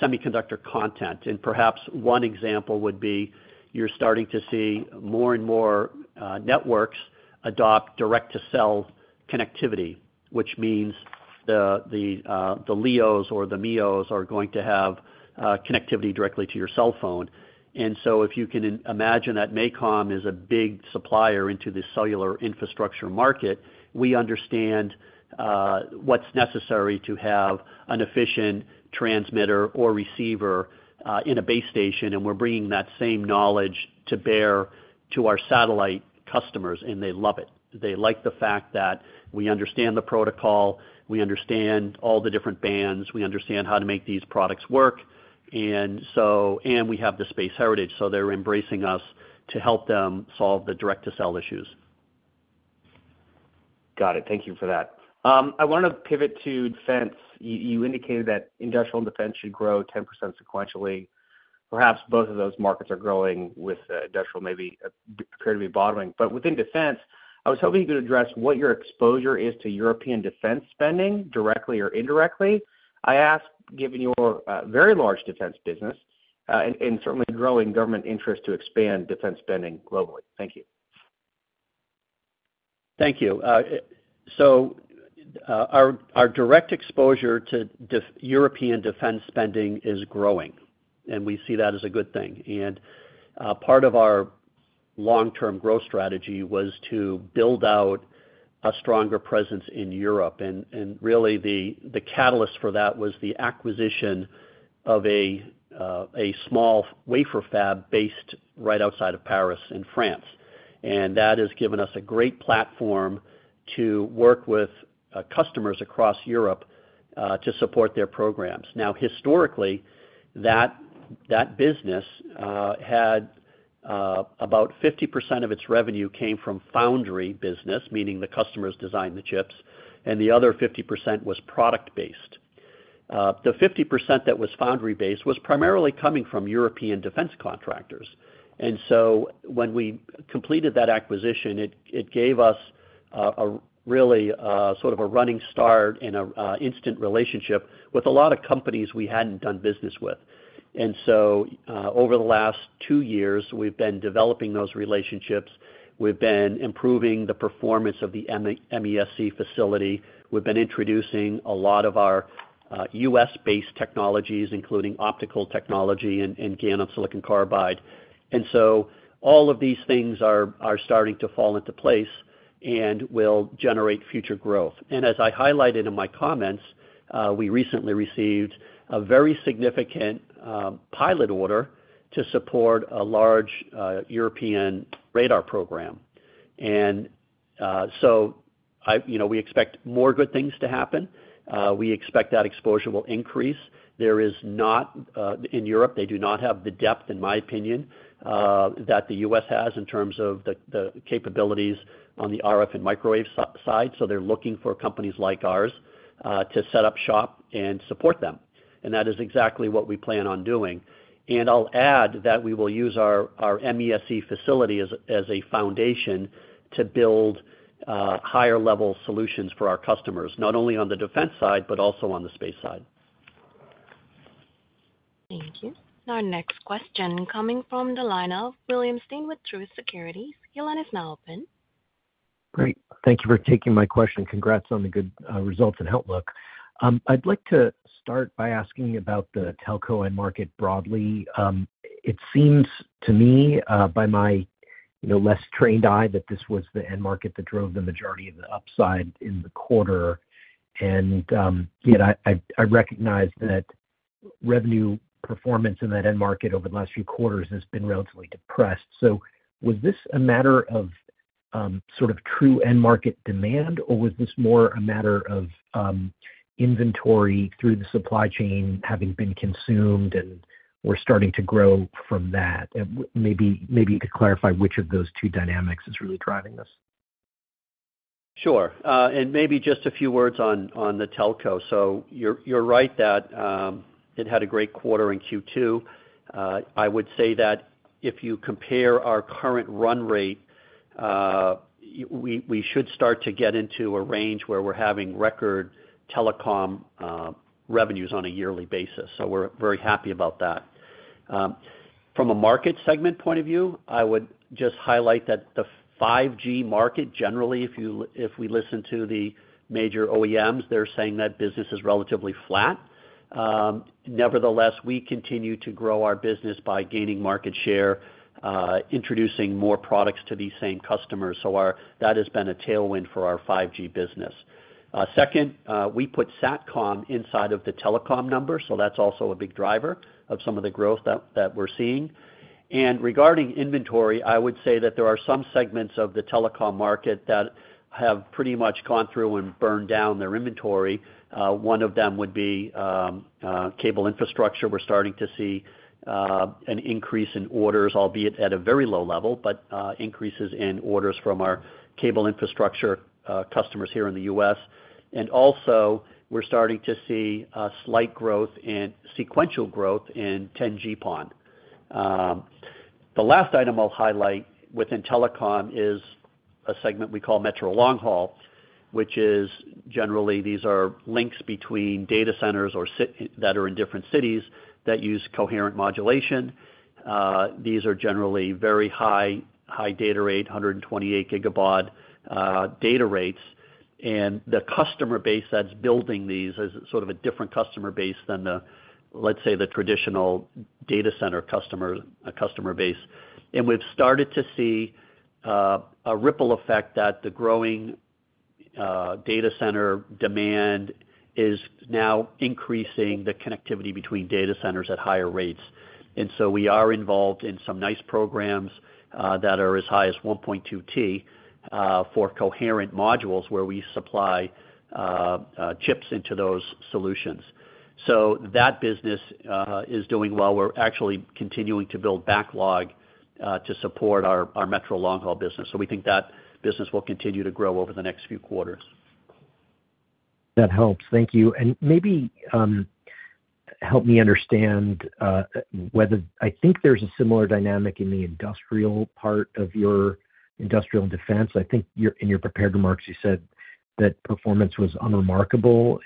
semiconductor content. Perhaps one example would be you are starting to see more and more networks adopt direct-to-cell connectivity, which means the LEOs or the MEOs are going to have connectivity directly to your cell phone. If you can imagine that MACOM is a big supplier into the cellular infrastructure market, we understand what's necessary to have an efficient transmitter or receiver in a base station. We're bringing that same knowledge to bear to our satellite customers, and they love it. They like the fact that we understand the protocol, we understand all the different bands, we understand how to make these products work. We have the space heritage, so they're embracing us to help them solve the direct-to-cell issues. Got it. Thank you for that. I want to pivot to Defense. You indicated that Industrialand Defense should grow 10% sequentially. Perhaps both of those markets are growing with Industrial maybe appear to be bottoming. Within Defense, I was hoping you could address what your exposure is to European Defense spending directly or indirectly. I ask, given your very large Defense business and certainly growing government interest to expand Defense spending globally. Thank you. Thank you. Our direct exposure to European Defense spending is growing, and we see that as a good thing. Part of our long-term growth strategy was to build out a stronger presence in Europe. Really, the catalyst for that was the acquisition of a small wafer fab based right outside of Paris, France. That has given us a great platform to work with customers across Europe to support their programs. Historically, that business had about 50% of its revenue come from foundry business, meaning the customers designed the chips, and the other 50% was product-based. The 50% that was foundry-based was primarily coming from European Defense contractors. When we completed that acquisition, it gave us really sort of a running start and an instant relationship with a lot of companies we had not done business with. Over the last two years, we have been developing those relationships. We have been improving the performance of the MESC facility. We have been introducing a lot of our U.S.-based technologies, including optical technology and GaN on silicon carbide. All of these things are starting to fall into place and will generate future growth. As I highlighted in my comments, we recently received a very significant pilot order to support a large European radar program. We expect more good things to happen. We expect that exposure will increase. In Europe, they do not have the depth, in my opinion, that the U.S. has in terms of the capabilities on the RF and microwave side. They are looking for companies like ours to set up shop and support them. That is exactly what we plan on doing. I'll add that we will use our MESC facility as a foundation to build higher-level solutions for our customers, not only on the Defense side, but also on the space side. Thank you. Our next question coming from the line of William Stein with Truist Securities. Your line is now open. Great. Thank you for taking my question. Congrats on the good results and outlook. I'd like to start by asking about the Telco and market broadly. It seems to me, by my less trained eye, that this was the end market that drove the majority of the upside in the quarter. I recognize that revenue performance in that end market over the last few quarters has been relatively depressed. Was this a matter of sort of true end market demand, or was this more a matter of inventory through the supply chain having been consumed and we're starting to grow from that? Maybe you could clarify which of those two dynamics is really driving this. Sure. Maybe just a few words on the Telco. You're right that it had a great quarter in Q2. I would say that if you compare our current run rate, we should start to get into a range where we're having record Telecom revenues on a yearly basis. We're very happy about that. From a market segment point of view, I would just highlight that the 5G market, generally, if we listen to the major OEMs, they're saying that business is relatively flat. Nevertheless, we continue to grow our business by gaining market share, introducing more products to these same customers. That has been a tailwind for our 5G business. Second, we put SATCOM inside of the Telecom number. That is also a big driver of some of the growth that we are seeing. Regarding inventory, I would say that there are some segments of the Telecom market that have pretty much gone through and burned down their inventory. One of them would be cable infrastructure. We are starting to see an increase in orders, albeit at a very low level, but increases in orders from our cable infrastructure customers here in the U.S. We are also starting to see slight growth and sequential growth in 10G-PON. The last item I'll highlight within Telecom is a segment we call metro long haul, which is generally these are links between Data Centers that are in different cities that use coherent modulation. These are generally very high data rates, 128 GB data rates. The customer base that's building these is sort of a different customer base than, let's say, the traditional Data Center customer base. We've started to see a ripple effect that the growing Data Center demand is now increasing the connectivity between Data Centers at higher rates. We are involved in some nice programs that are as high as 1.2T for coherent modules where we supply chips into those solutions. That business is doing well. We're actually continuing to build backlog to support our metro long haul business. We think that business will continue to grow over the next few quarters. That helps. Thank you. Maybe help me understand whether I think there is a similar dynamic in the Industrial part of your Industrial Defense. I think in your prepared remarks, you said that performance was unremarkable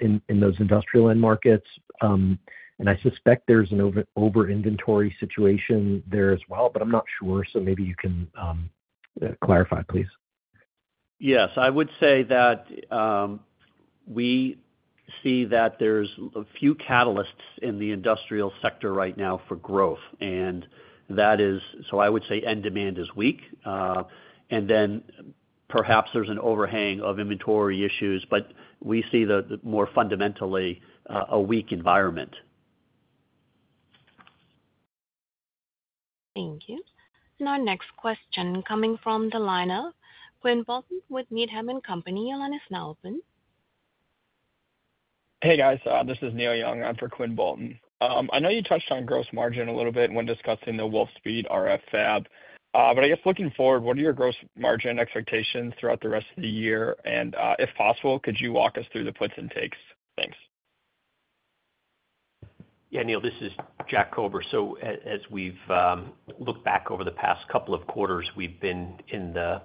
in those Industrial end markets. I suspect there is an over-inventory situation there as well, but I am not sure. Maybe you can clarify, please. Yes. I would say that we see that there are a few catalysts in the Industrial sector right now for growth. I would say end demand is weak. Perhaps there is an overhang of inventory issues, but we see more fundamentally a weak environment. Thank you. Our next question coming from the line of Quinn Bolton with Needham & Company. Your line is now open. Hey, guys. This is Neil Young on for Quinn Bolton. I know you touched on gross margin a little bit when discussing the Wolfspeed RF fab. I guess looking forward, what are your gross margin expectations throughout the rest of the year? If possible, could you walk us through the puts and takes? Thanks. Yeah, Neil, this is Jack Kober. As we've looked back over the past couple of quarters, we've been in the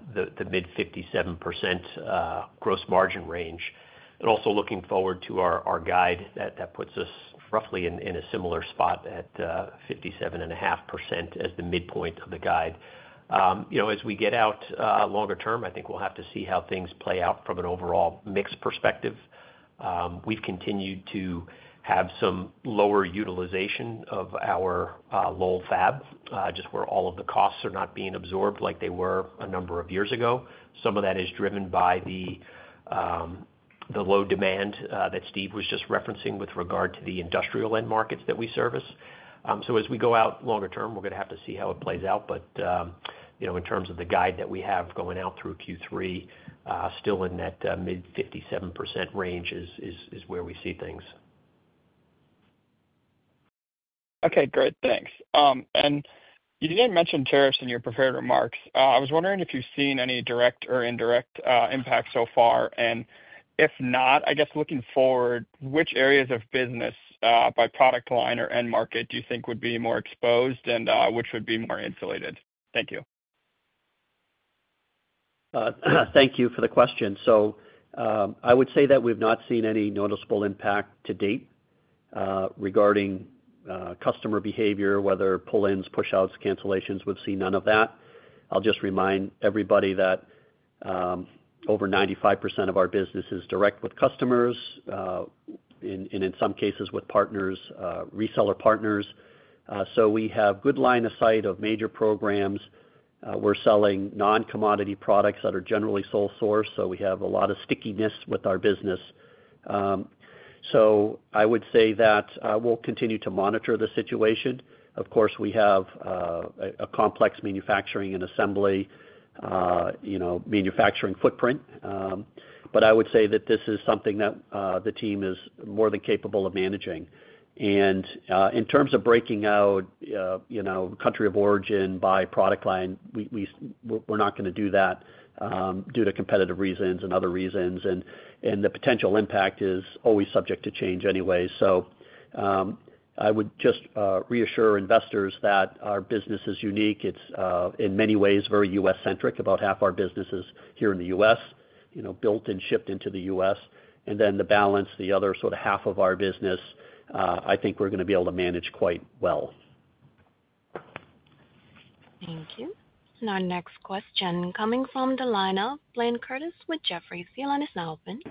mid-57% gross margin range. Also looking forward to our guide that puts us roughly in a similar spot at 57.5% as the midpoint of the guide. As we get out longer term, I think we'll have to see how things play out from an overall mix perspective. We've continued to have some lower utilization of our Lowell fab, just where all of the costs are not being absorbed like they were a number of years ago. Some of that is driven by the low demand that Steve was just referencing with regard to the Industrial end markets that we service. As we go out longer term, we're going to have to see how it plays out. In terms of the guide that we have going out through Q3, still in that mid-57% range is where we see things. Okay. Great. Thanks. You did mention tariffs in your prepared remarks. I was wondering if you've seen any direct or indirect impact so far. If not, I guess looking forward, which areas of business by product line or end market do you think would be more exposed and which would be more insulated? Thank you. Thank you for the question. I would say that we've not seen any noticeable impact to date regarding customer behavior, whether pull-ins, push-outs, cancellations. We've seen none of that. I'll just remind everybody that over 95% of our business is direct with customers and in some cases with partners, reseller partners. We have good line of sight of major programs. We're selling non-commodity products that are generally sole source. We have a lot of stickiness with our business. I would say that we'll continue to monitor the situation. Of course, we have a complex manufacturing and assembly manufacturing footprint. I would say that this is something that the team is more than capable of managing. In terms of breaking out country of origin by product line, we're not going to do that due to competitive reasons and other reasons. The potential impact is always subject to change anyway. I would just reassure investors that our business is unique. It's in many ways very U.S.-centric. About half our business is here in the U.S., built and shipped into the U.S. The balance, the other sort of half of our business, I think we're going to be able to manage quite well. Thank you. Our next question coming from the line of Blayne Curtis with Jefferies. Your line is now open.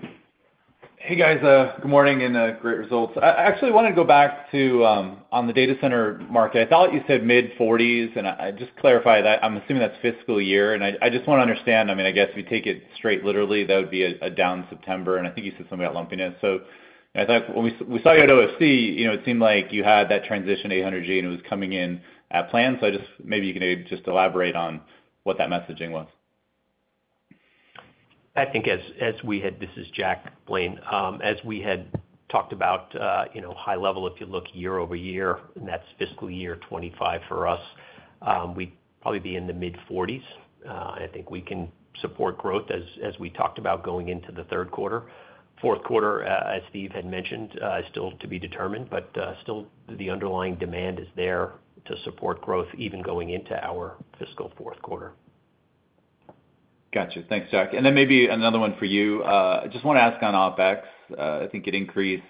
Hey, guys. Good morning and great results. I actually wanted to go back to on the Data Center market. I thought you said mid-40s. Can I just clarify that? I'm assuming that's fiscal year. I just want to understand. I mean, I guess if you take it straight literally, that would be a down September. I think you said something about lumpiness. I thought when we saw you at OFC, it seemed like you had that transition to 800 Gb and it was coming in at plan. I just maybe you can just elaborate on what that messaging was. I think as we had this is Jack, Blayne. As we had talked about high level, if you look year-over-year, and that's fiscal year 2025 for us, we'd probably be in the mid-40s. I think we can support growth as we talked about going into the third quarter. Fourth quarter, as Steve had mentioned, is still to be determined. Still, the underlying demand is there to support growth even going into our fiscal fourth quarter. Gotcha. Thanks, Jack. Maybe another one for you. I just want to ask on OpEx. I think it increased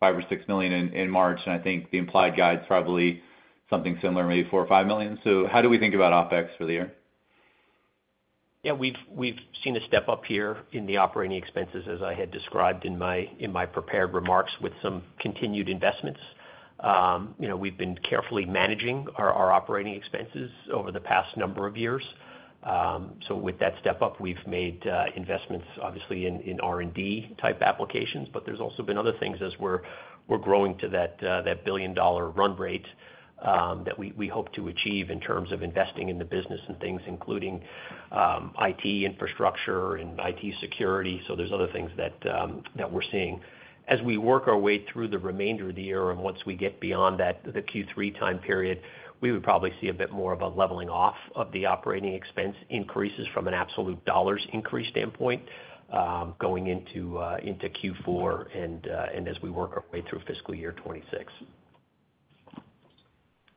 $5 million or $6 million in March. I think the implied guide is probably something similar, maybe $4 million or $5 million. How do we think about OpEx for the year? Yeah. We've seen a step up here in the operating expenses, as I had described in my prepared remarks with some continued investments. We've been carefully managing our operating expenses over the past number of years. With that step up, we've made investments, obviously, in R&D type applications. There's also been other things as we're growing to that billion-dollar run rate that we hope to achieve in terms of investing in the business and things including IT infrastructure and IT security. There's other things that we're seeing. As we work our way through the remainder of the year and once we get beyond that Q3 time period, we would probably see a bit more of a leveling off of the operating expense increases from an absolute dollars increase standpoint going into Q4 and as we work our way through fiscal year 2026.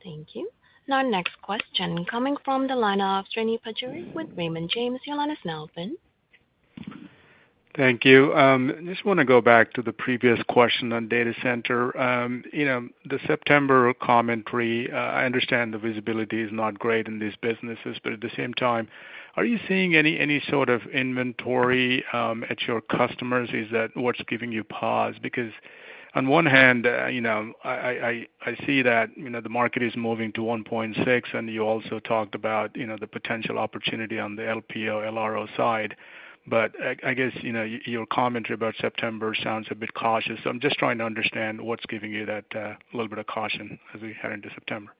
Thank you. Our next question coming from the line of Srini Pajjuri with Raymond James. Your line is now open. Thank you. I just want to go back to the previous question on Data Center. The September commentary, I understand the visibility is not great in these businesses. At the same time, are you seeing any sort of inventory at your customers? Is that what is giving you pause? Because on one hand, I see that the market is moving to 1.6, and you also talked about the potential opportunity on the LPO, LRO side. I guess your commentary about September sounds a bit cautious. I am just trying to understand what is giving you that little bit of caution as we head into September.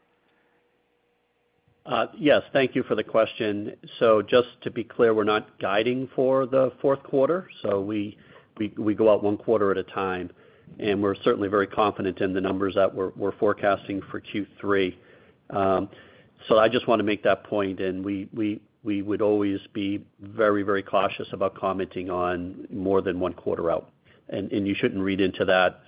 Yes. Thank you for the question. Just to be clear, we are not guiding for the fourth quarter. We go out one quarter at a time. We're certainly very confident in the numbers that we're forecasting for Q3. I just want to make that point. We would always be very, very cautious about commenting on more than one quarter out. You shouldn't read into that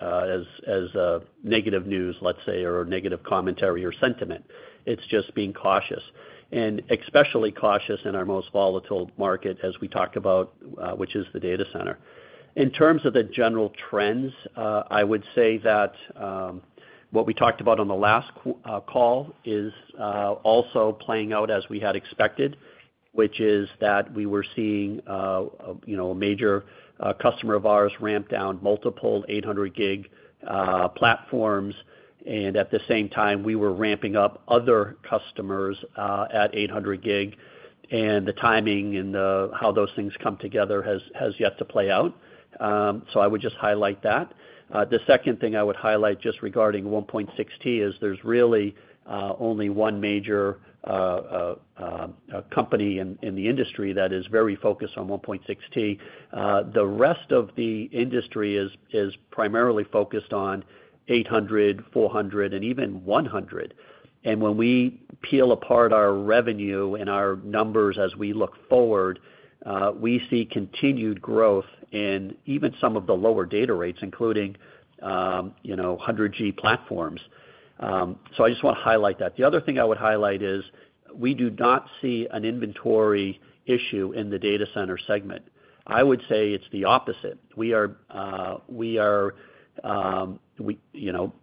as negative news, let's say, or negative commentary or sentiment. It's just being cautious. Especially cautious in our most volatile market, as we talked about, which is the Data Center. In terms of the general trends, I would say that what we talked about on the last call is also playing out as we had expected, which is that we were seeing a major customer of ours ramp down multiple 800 Gb platforms. At the same time, we were ramping up other customers at 800 Gb. The timing and how those things come together has yet to play out. I would just highlight that. The second thing I would highlight just regarding 1.6T is there's really only one major company in the industry that is very focused on 1.6T. The rest of the industry is primarily focused on 800, 400, and even 100. When we peel apart our revenue and our numbers as we look forward, we see continued growth in even some of the lower data rates, including 100 Gb platforms. I just want to highlight that. The other thing I would highlight is we do not see an inventory issue in the Data Center segment. I would say it's the opposite. We are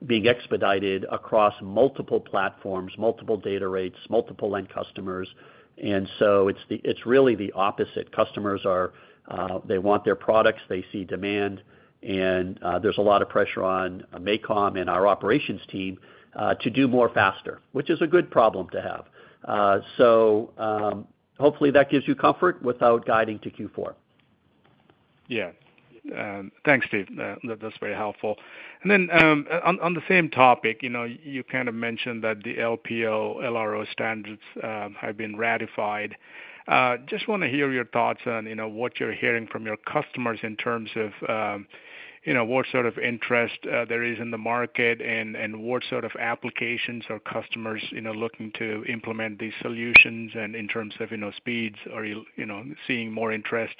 being expedited across multiple platforms, multiple data rates, multiple end customers. It is really the opposite. Customers, they want their products. They see demand. There is a lot of pressure on MACOM and our operations team to do more faster, which is a good problem to have. Hopefully that gives you comfort without guiding to Q4. Yeah. Thanks, Steve. That's very helpful. On the same topic, you kind of mentioned that the LPO, LRO standards have been ratified. Just want to hear your thoughts on what you're hearing from your customers in terms of what sort of interest there is in the market and what sort of applications are customers looking to implement these solutions in and in terms of speeds, are you seeing more interest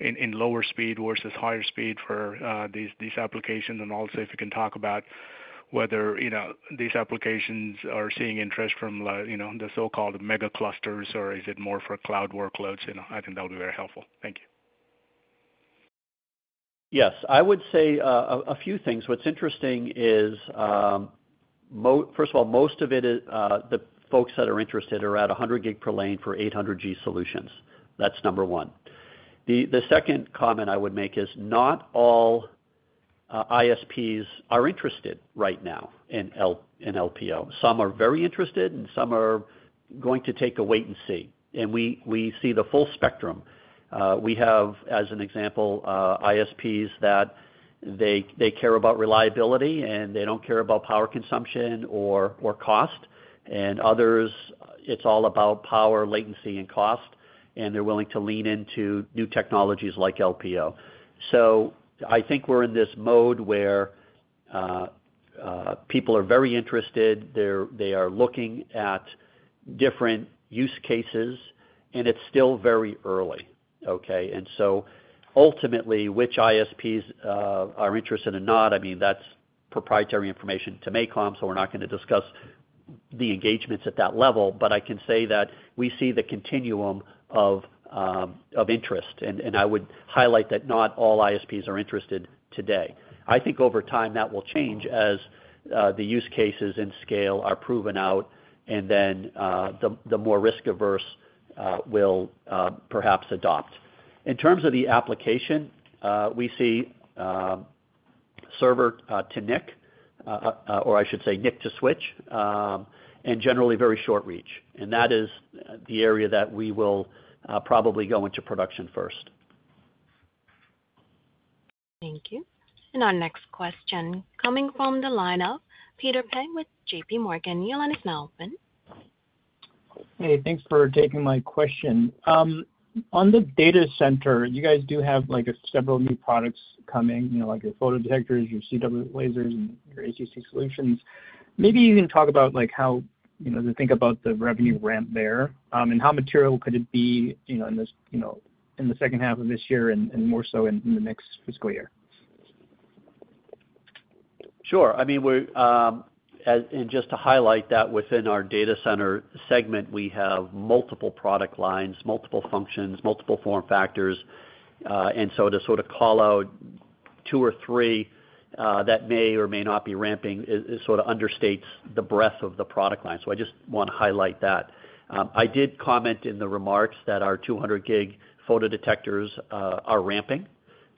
in lower speed versus higher speed for these applications. Also, if you can talk about whether these applications are seeing interest from the so-called mega clusters or is it more for cloud workloads. I think that would be very helpful. Thank you. Yes. I would say a few things. What's interesting is, first of all, most of the folks that are interested are at 100 Gb per lane for 800 Gb solutions. That's number one. The second comment I would make is not all ISPs are interested right now in LPO. Some are very interested, and some are going to take a wait and see. We see the full spectrum. We have, as an example, ISPs that they care about reliability, and they don't care about power consumption or cost. Others, it's all about power, latency, and cost. They're willing to lean into new technologies like LPO. I think we're in this mode where people are very interested. They are looking at different use cases, and it's still very early. Okay? Ultimately, which ISPs are interested or not, I mean, that's proprietary information to MACOM. We're not going to discuss the engagements at that level. I can say that we see the continuum of interest. I would highlight that not all ISPs are interested today. I think over time that will change as the use cases and scale are proven out, and then the more risk-averse will perhaps adopt. In terms of the application, we see server to NIC, or I should say NIC to switch, and generally very short reach. That is the area that we will probably go into production first. Thank you. Our next question coming from the line of Peter Peng with JP Morgan. Your line is now open. Hey, thanks for taking my question. On the Data Center, you guys do have several new products coming, like your photodetectors, your CW lasers, and your ACC solutions. Maybe you can talk about how to think about the revenue ramp there and how material could it be in the second half of this year and more so in the next fiscal year. Sure. I mean, just to highlight that within our Data Center segment, we have multiple product lines, multiple functions, multiple form factors. To sort of call out two or three that may or may not be ramping sort of understates the breadth of the product line. I just want to highlight that. I did comment in the remarks that our 200 Gb photodetectors are ramping.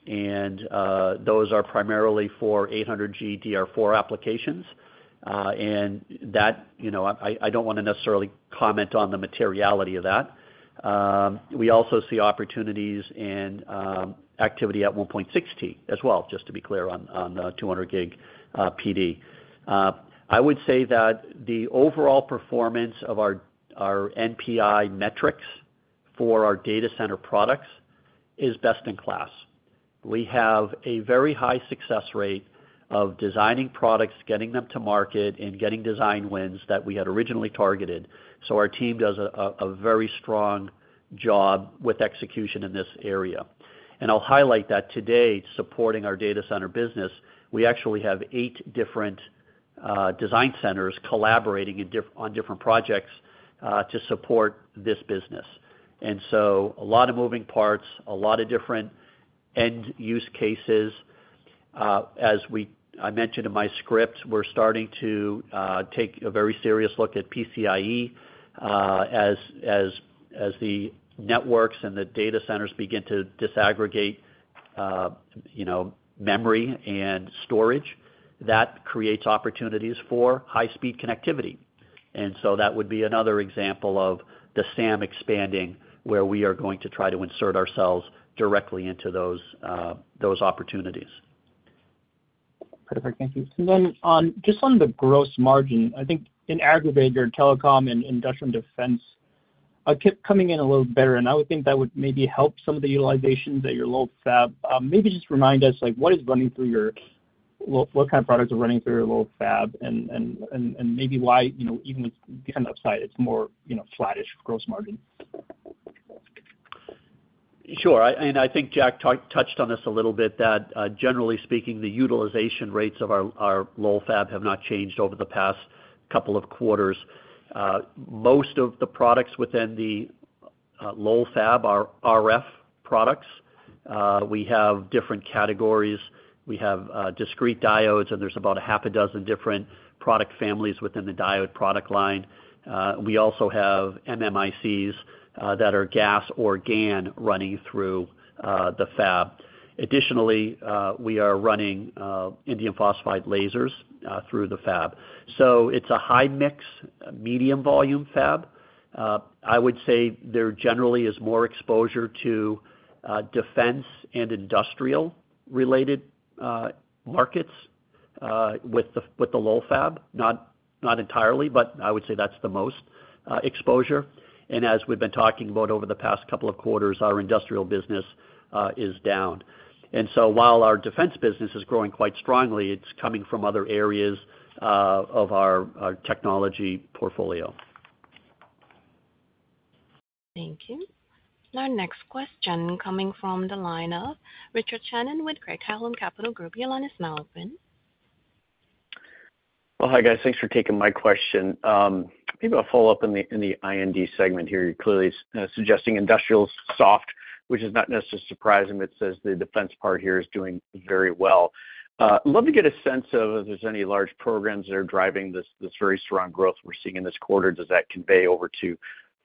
Those are primarily for 800 Gb DR4 applications. I do not want to necessarily comment on the materiality of that. We also see opportunities and activity at 1.6T as well, just to be clear on the 200 Gb PD. I would say that the overall performance of our NPI metrics for our Data Center products is best in class. We have a very high success rate of designing products, getting them to market, and getting design wins that we had originally targeted. Our team does a very strong job with execution in this area. I'll highlight that today supporting our Data Center business. We actually have eight different design centers collaborating on different projects to support this business. A lot of moving parts, a lot of different end use cases. As I mentioned in my script, we're starting to take a very serious look at PCIE as the networks and the Data Centers begin to disaggregate memory and storage. That creates opportunities for high-speed connectivity. That would be another example of the SAM expanding where we are going to try to insert ourselves directly into those opportunities. Perfect. Thank you. Just on the gross margin, I think in aggregate, your Telecom and Industrial Defense are coming in a little better. I would think that would maybe help some of the utilization at your Lowell fab. Maybe just remind us what is running through your, what kind of products are running through your Lowell fab and maybe why even with the upside, it is more flattish gross margin. Sure. I think Jack touched on this a little bit that generally speaking, the utilization rates of our Lowell fab have not changed over the past couple of quarters. Most of the products within the Lowell fab are RF products. We have different categories. We have discrete diodes, and there's about half a dozen different product families within the diode product line. We also have MMICs that are GaAs or GaN running through the fab. Additionally, we are running indium phosphide lasers through the fab. It is a high-mix, medium-volume fab. I would say there generally is more exposure to Defense and Industrial-related markets with the Lowell fab. Not entirely, but I would say that's the most exposure. As we've been talking about over the past couple of quarters, our Industrial business is down. While our Defense business is growing quite strongly, it's coming from other areas of our technology portfolio. Thank you. Our next question coming from the line of Richard Shannon with Graig-Hallum Capital Group. The line is now open. Hi guys. Thanks for taking my question. Maybe I'll follow up in the I&D segment here. You're clearly suggesting Industrial soft, which is not necessarily surprising. It says the Defense part here is doing very well. I'd love to get a sense of if there's any large programs that are driving this very strong growth we're seeing in this quarter. Does that convey over to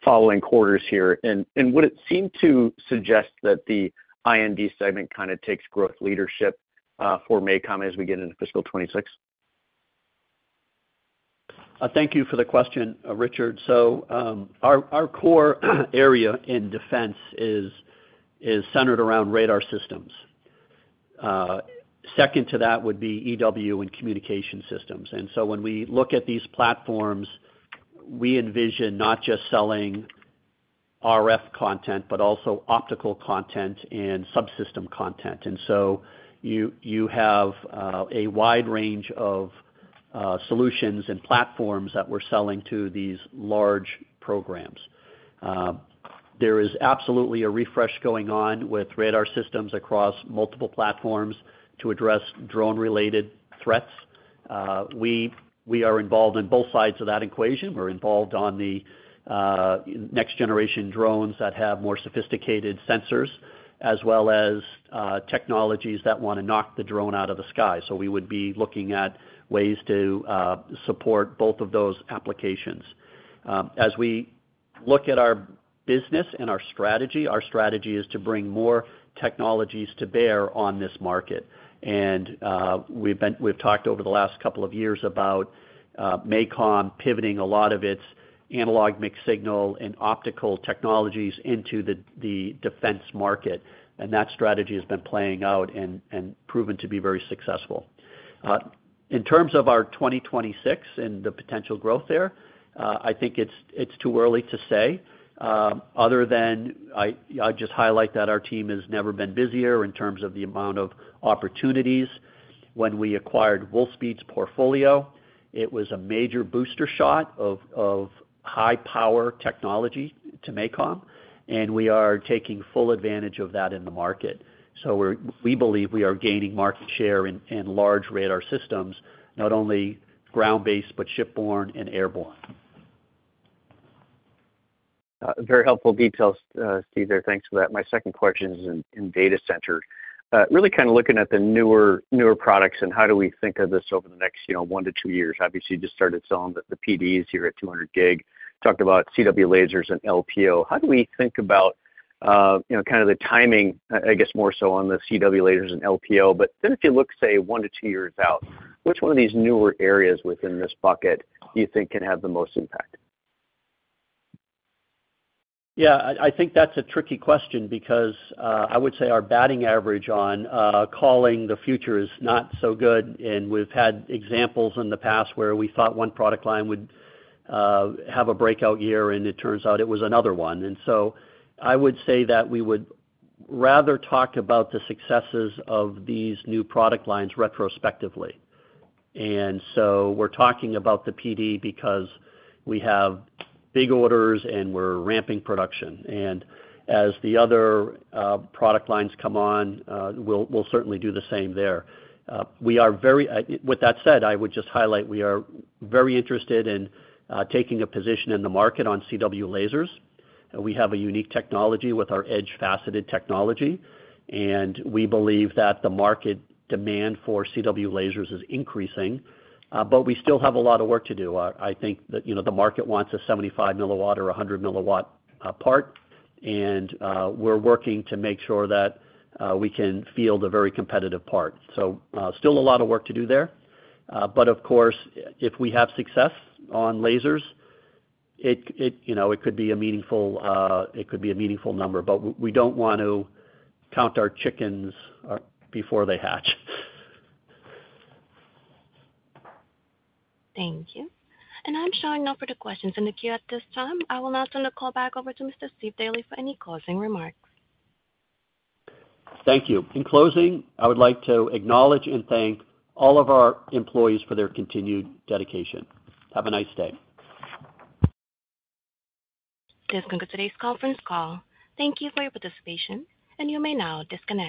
following quarters here? Would it seem to suggest that the I&D segment kind of takes growth leadership for MACOM as we get into fiscal 2026? Thank you for the question, Richard. Our core area in Defense is centered around radar systems. Second to that would be EW and communication systems. When we look at these platforms, we envision not just selling RF content, but also optical content and subsystem content. You have a wide range of solutions and platforms that we're selling to these large programs. There is absolutely a refresh going on with radar systems across multiple platforms to address drone-related threats. We are involved on both sides of that equation. We're involved on the next-generation drones that have more sophisticated sensors, as well as technologies that want to knock the drone out of the sky. We would be looking at ways to support both of those applications. As we look at our business and our strategy, our strategy is to bring more technologies to bear on this market. We've talked over the last couple of years about MACOM pivoting a lot of its analog mixed signal and optical technologies into the Defense market. That strategy has been playing out and proven to be very successful. In terms of our 2026 and the potential growth there, I think it's too early to say. Other than I'd just highlight that our team has never been busier in terms of the amount of opportunities. When we acquired Wolfspeed's portfolio, it was a major booster shot of high-power technology to MACOM. We are taking full advantage of that in the market. We believe we are gaining market share in large radar systems, not only ground-based, but shipborne and airborne. Very helpful details, Steve. Thanks for that. My second question is in Data Center. Really kind of looking at the newer products and how do we think of this over the next one to two years. Obviously, you just started selling the PDs here at 200 Gb. Talked about CW lasers and LPO. How do we think about kind of the timing, I guess, more so on the CW lasers and LPO? If you look, say, one to two years out, which one of these newer areas within this bucket do you think can have the most impact? Yeah. I think that's a tricky question because I would say our batting average on calling the future is not so good. We have had examples in the past where we thought one product line would have a breakout year, and it turns out it was another one. I would say that we would rather talk about the successes of these new product lines retrospectively. We are talking about the PD because we have big orders, and we are ramping production. As the other product lines come on, we will certainly do the same there. With that said, I would just highlight we are very interested in taking a position in the market on CW lasers. We have a unique technology with our edge-faceted technology. We believe that the market demand for CW lasers is increasing. We still have a lot of work to do. I think that the market wants a 75 mW or 100 mW part. We are working to make sure that we can field a very competitive part. Still a lot of work to do there. If we have success on lasers, it could be a meaningful number. We do not want to count our chickens before they hatch. Thank you. I am showing no further questions in the queue at this time. I will now turn the call back over to Mr. Steve Daley for any closing remarks. Thank you. In closing, I would like to acknowledge and thank all of our employees for their continued dedication. Have a nice day. This concludes today's conference call. Thank you for your participation. You may now disconnect.